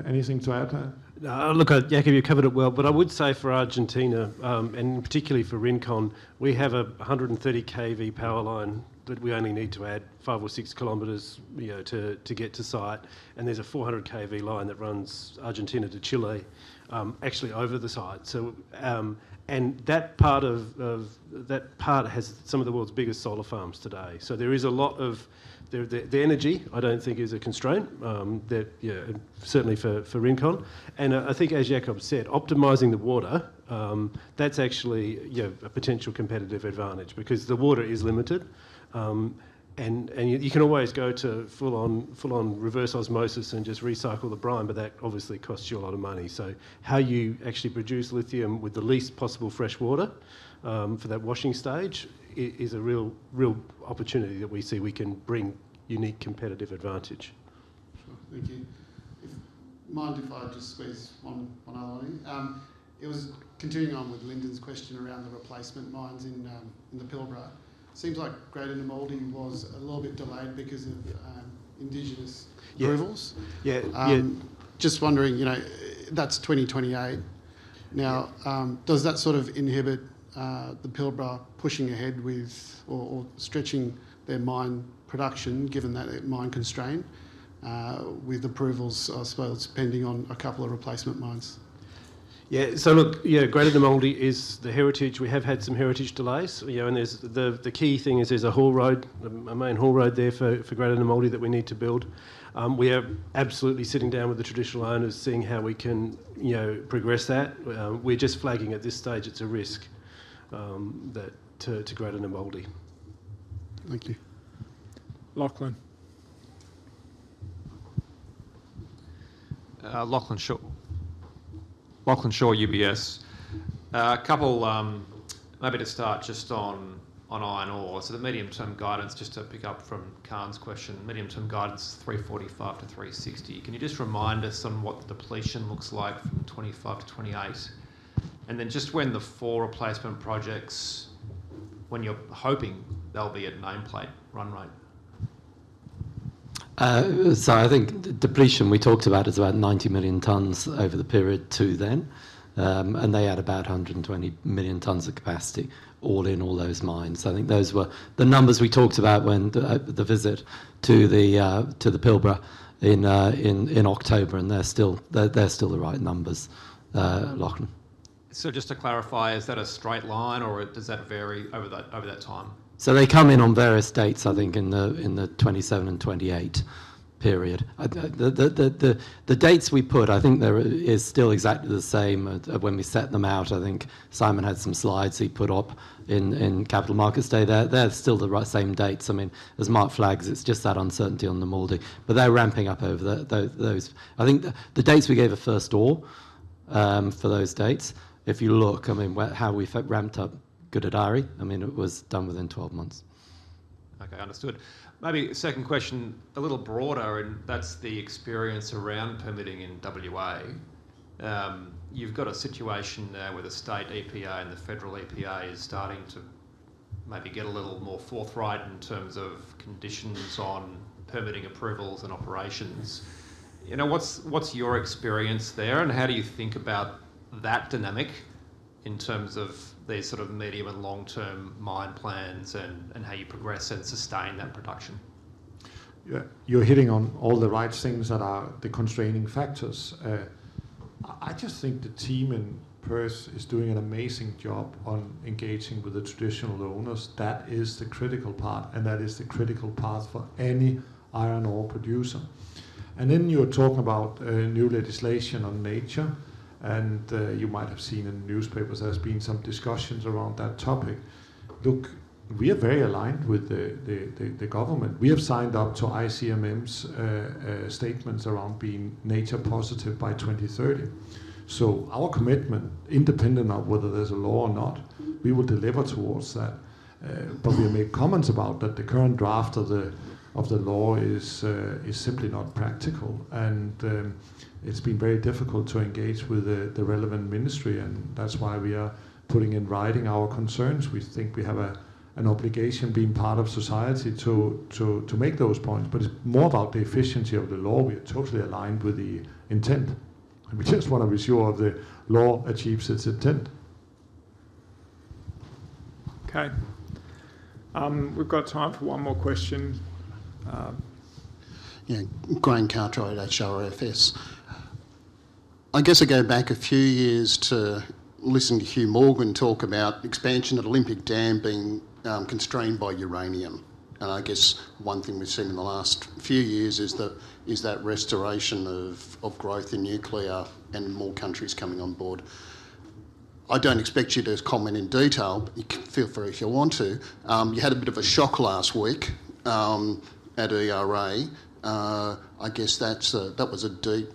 Anything to add? Look, Jakob, you covered it well. But I would say for Argentina, and particularly for Rincon, we have a 130 kV power line that we only need to add 5 or 6 kilometers to get to site. And there's a 400 kV line that runs Argentina to Chile, actually over the site. And that part has some of the world's biggest solar farms today. So there is a lot of the energy, I don't think, is a constraint, certainly for Rincon. And I think, as Jakob said, optimizing the water, that's actually a potential competitive advantage because the water is limited. And you can always go to full-on reverse osmosis and just recycle the brine, but that obviously costs you a lot of money. So how you actually produce lithium with the least possible fresh water for that washing stage is a real opportunity that we see we can bring unique competitive advantage. Sure. Thank you. Mind if I just squeeze one other one? It was continuing on with Lyndon's question around the replacement mines in the Pilbara. Seems like Greater Nammuldi was a little bit delayed because of indigenous approvals. Yeah. Just wondering, that's 2028. Now, does that sort of inhibit the Pilbara pushing ahead with or stretching their mine production, given that mine constraint, with approvals, I suppose, pending on a couple of replacement mines? Yeah. So look, Greater Nammuldi is the heritage. We have had some heritage delays. And the key thing is there's a main haul road there for Greater Nammuldi that we need to build We are absolutely sitting down with the traditional owners, seeing how we can progress that. We're just flagging at this stage it's a risk to Greater Nammuldi. Thank you. Lachlan. Lachlan Shaw. Lachlan Shaw, UBS. Maybe to start just on iron ore, so the medium-term guidance, just to pick up from Kaan's question, medium-term guidance is 345-360. Can you just remind us on what the depletion looks like from 2025 to 2028? And then just when the four replacement projects, when you're hoping they'll be at nameplate run rate? So I think depletion we talked about is about 90 million tons over the period to then. And they had about 120 million tons of capacity all in all those mines. I think those were the numbers we talked about when the visit to the Pilbara in October. And they're still the right numbers, Lachlan. So just to clarify, is that a straight line or does that vary over that time? So they come in on various dates, I think, in the 2027 and 2028 period. The dates we put, I think there is still exactly the same when we set them out. I think Simon had some slides he put up in Capital Markets Day. They're still the same dates. I mean, as Mark flags, it's just that uncertainty on the Nammuldi. But they're ramping up over those. I think the dates we gave are first ore for those dates. If you look, I mean, how we ramped up Gudai-Darri, I mean, it was done within 12 months. Okay. Understood. Maybe second question, a little broader, and that's the experiece around permitting in WA. You've got a situation now where the state EPA and the federal EPA is starting to maybe get a little more forthright in terms of conditions on permitting approvals and operations. What's your experience there? And how do you think about that dynamic in terms of these sort of medium and long-term mine plans and how you progress and sustain that production? You're hitting on all the right things that are the constraining factors. I just think the team in Perth is doing an amazing job on engaging with the traditional owners. That is the critical part. And that is the critical path for any iron ore producer. And then you're talking about new legislation on nature. And you might have seen in the newspapers there's been some discussions around that topic. Look, we are very aligned with the government. We have signed up to ICMM's statements around being nature positive by 2030. So our commitment, independent of whether there's a law or not, we will deliver towards that. But we have made comments about that the current draft of the law is simply not practical. And it's been very difficult to engage with the relevant ministry. And that's why we are putting in writing our concerns. We think we have an obligation being part of society to make those points. But it's more about the efficiency of the law. We are totally aligned with the intent. We just want to be sure the law achieves its intent. Okay. We've got time for one more question. Yeah. Graham Cartwright at Charo FS. I guess I go back a few years to listen to Hugh Morgan talk about expansion at Olympic Dam being constrained by uranium. I guess one thing we've seen in the last few years is that restoration of growth in nuclear and more countries coming on board. I don't expect you to comment in detail. Feel free if you want to. You had a bit of a shock last week at ERA. I guess that was a deep,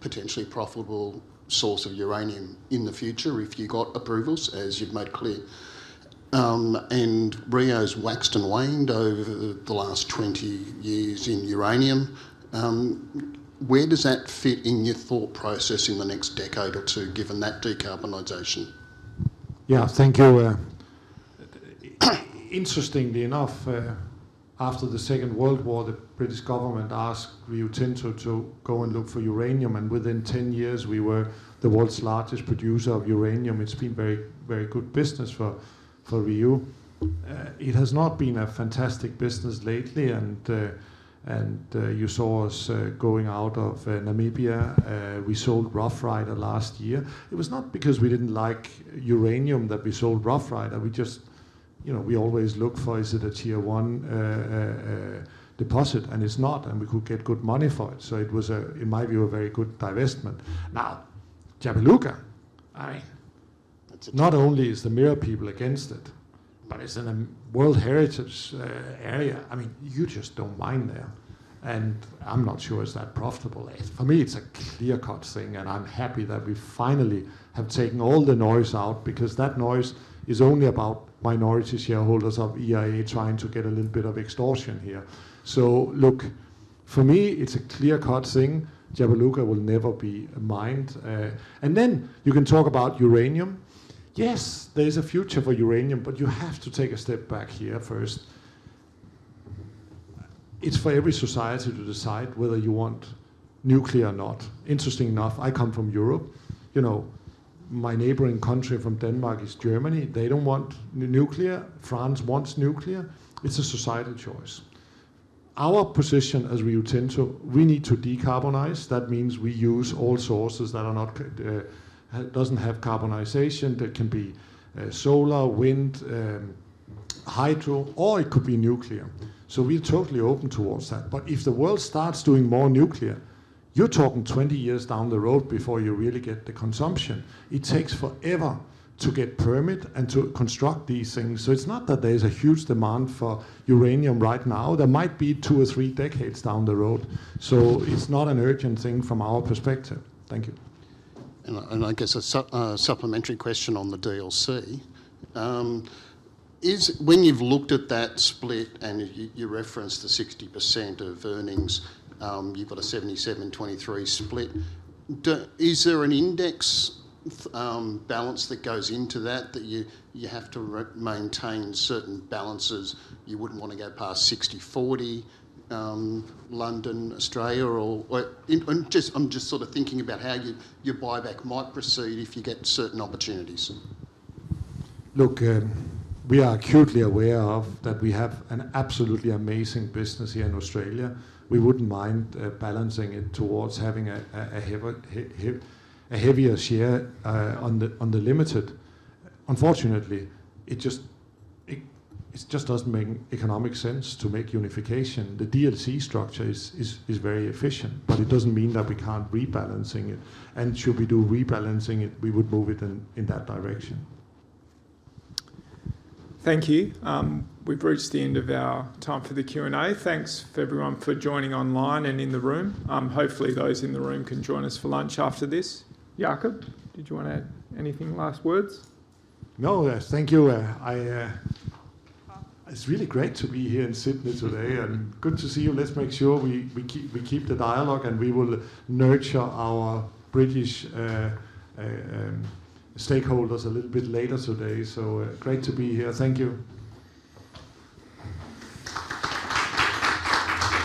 potentially profitable source of uranium in the future if you got approvals, as you've made clear. And Rio's waxed and waned over the last 20 years in uranium. Where does that fit in your thought process in the next decade or two, given that decarbonization Yeah. Thank you. Interestingly enough, after the Second World War, the British government asked Rio Tinto to go and look for uranium. And within 10 years, we were the world's largest producer of uranium. It's been very good business for Rio. It has not been a fantastic business lately. You saw us going out of Namibia. We sold Roughrider last year. It was not because we didn't like uranium that we sold Roughrider. We always look for, is it a Tier 1 deposit? An d it's not. And we could get good money for it. So it was, in my view, a very good divestment. Now, Jabiluka, I mean, not only is the Mirarr people against it, but it's in a World Heritage area. I mean, you just don't mine there. And I'm not sure it's that profitable. For me, it's a clear-cut thing. And I'm happy that we finally have taken all the noise out because that noise is only about minority shareholders of ERA trying to get a little bit of extortion here. So look, for me, it's a clear-cut thing. Jabiluka will never be mined. And then you can talk about uranium. Yes, there is a future for uranium, but you have to take a step back here first. It's for every society to decide whether you want nuclear or not. Interesting enough, I come from Europe. My neighboring country from Denmark is Germany. They don't want nuclear. France wants nuclear. It's a societal choice. Our position as Rio Tinto, we need to decarbonize. That means we use all sources that doesn't have carbonization. That can be solar, wind, hydro, or it could be nuclear. So we're totally open towards that. But if the world starts doing more nuclear, you're talking 20 years down the road before you really get the consumption. It takes forever to get permits and to construct these things. So it's not that there's a huge demand for uranium right now. There might be two or three decades down the road. So it's not an urgent thing from our perspective. Thank you. I guess a supplementary question on the DLC. When you've looked at that split and you referenced the 60% of earnings, you've got a 77/23 split. Is there an index balance that goes into that that you have to maintain certain balances? You wouldn't want to go past 60/40, London, Australia, or I'm just sort of thinking about how your buyback might proceed if you get certain opportunities. Look, we are acutely aware of that we have an absolutely amazing business here in Australia. We wouldn't mind balancing it towards having a heavier share on the limited. Unfortunately, it just doesn't make economic sense to make unification. The DLC structure is very efficient, but it doesn't mean that we can't rebalance it. And should we do rebalancing it, we would move it in that direction. Thank you. We've reached the end of our time for the Q&A. Thanks to everyone for joining online and in the room. Hopefully, those in the room can join us for lunch after this. Jakob, did you want to add anything, last words? No, thank you. It's really great to be here in Sydney today and good to see you. Let's make sure we keep the dialogue. We will nurture our British stakeholders a little bit later today. Great to be here. Thank you.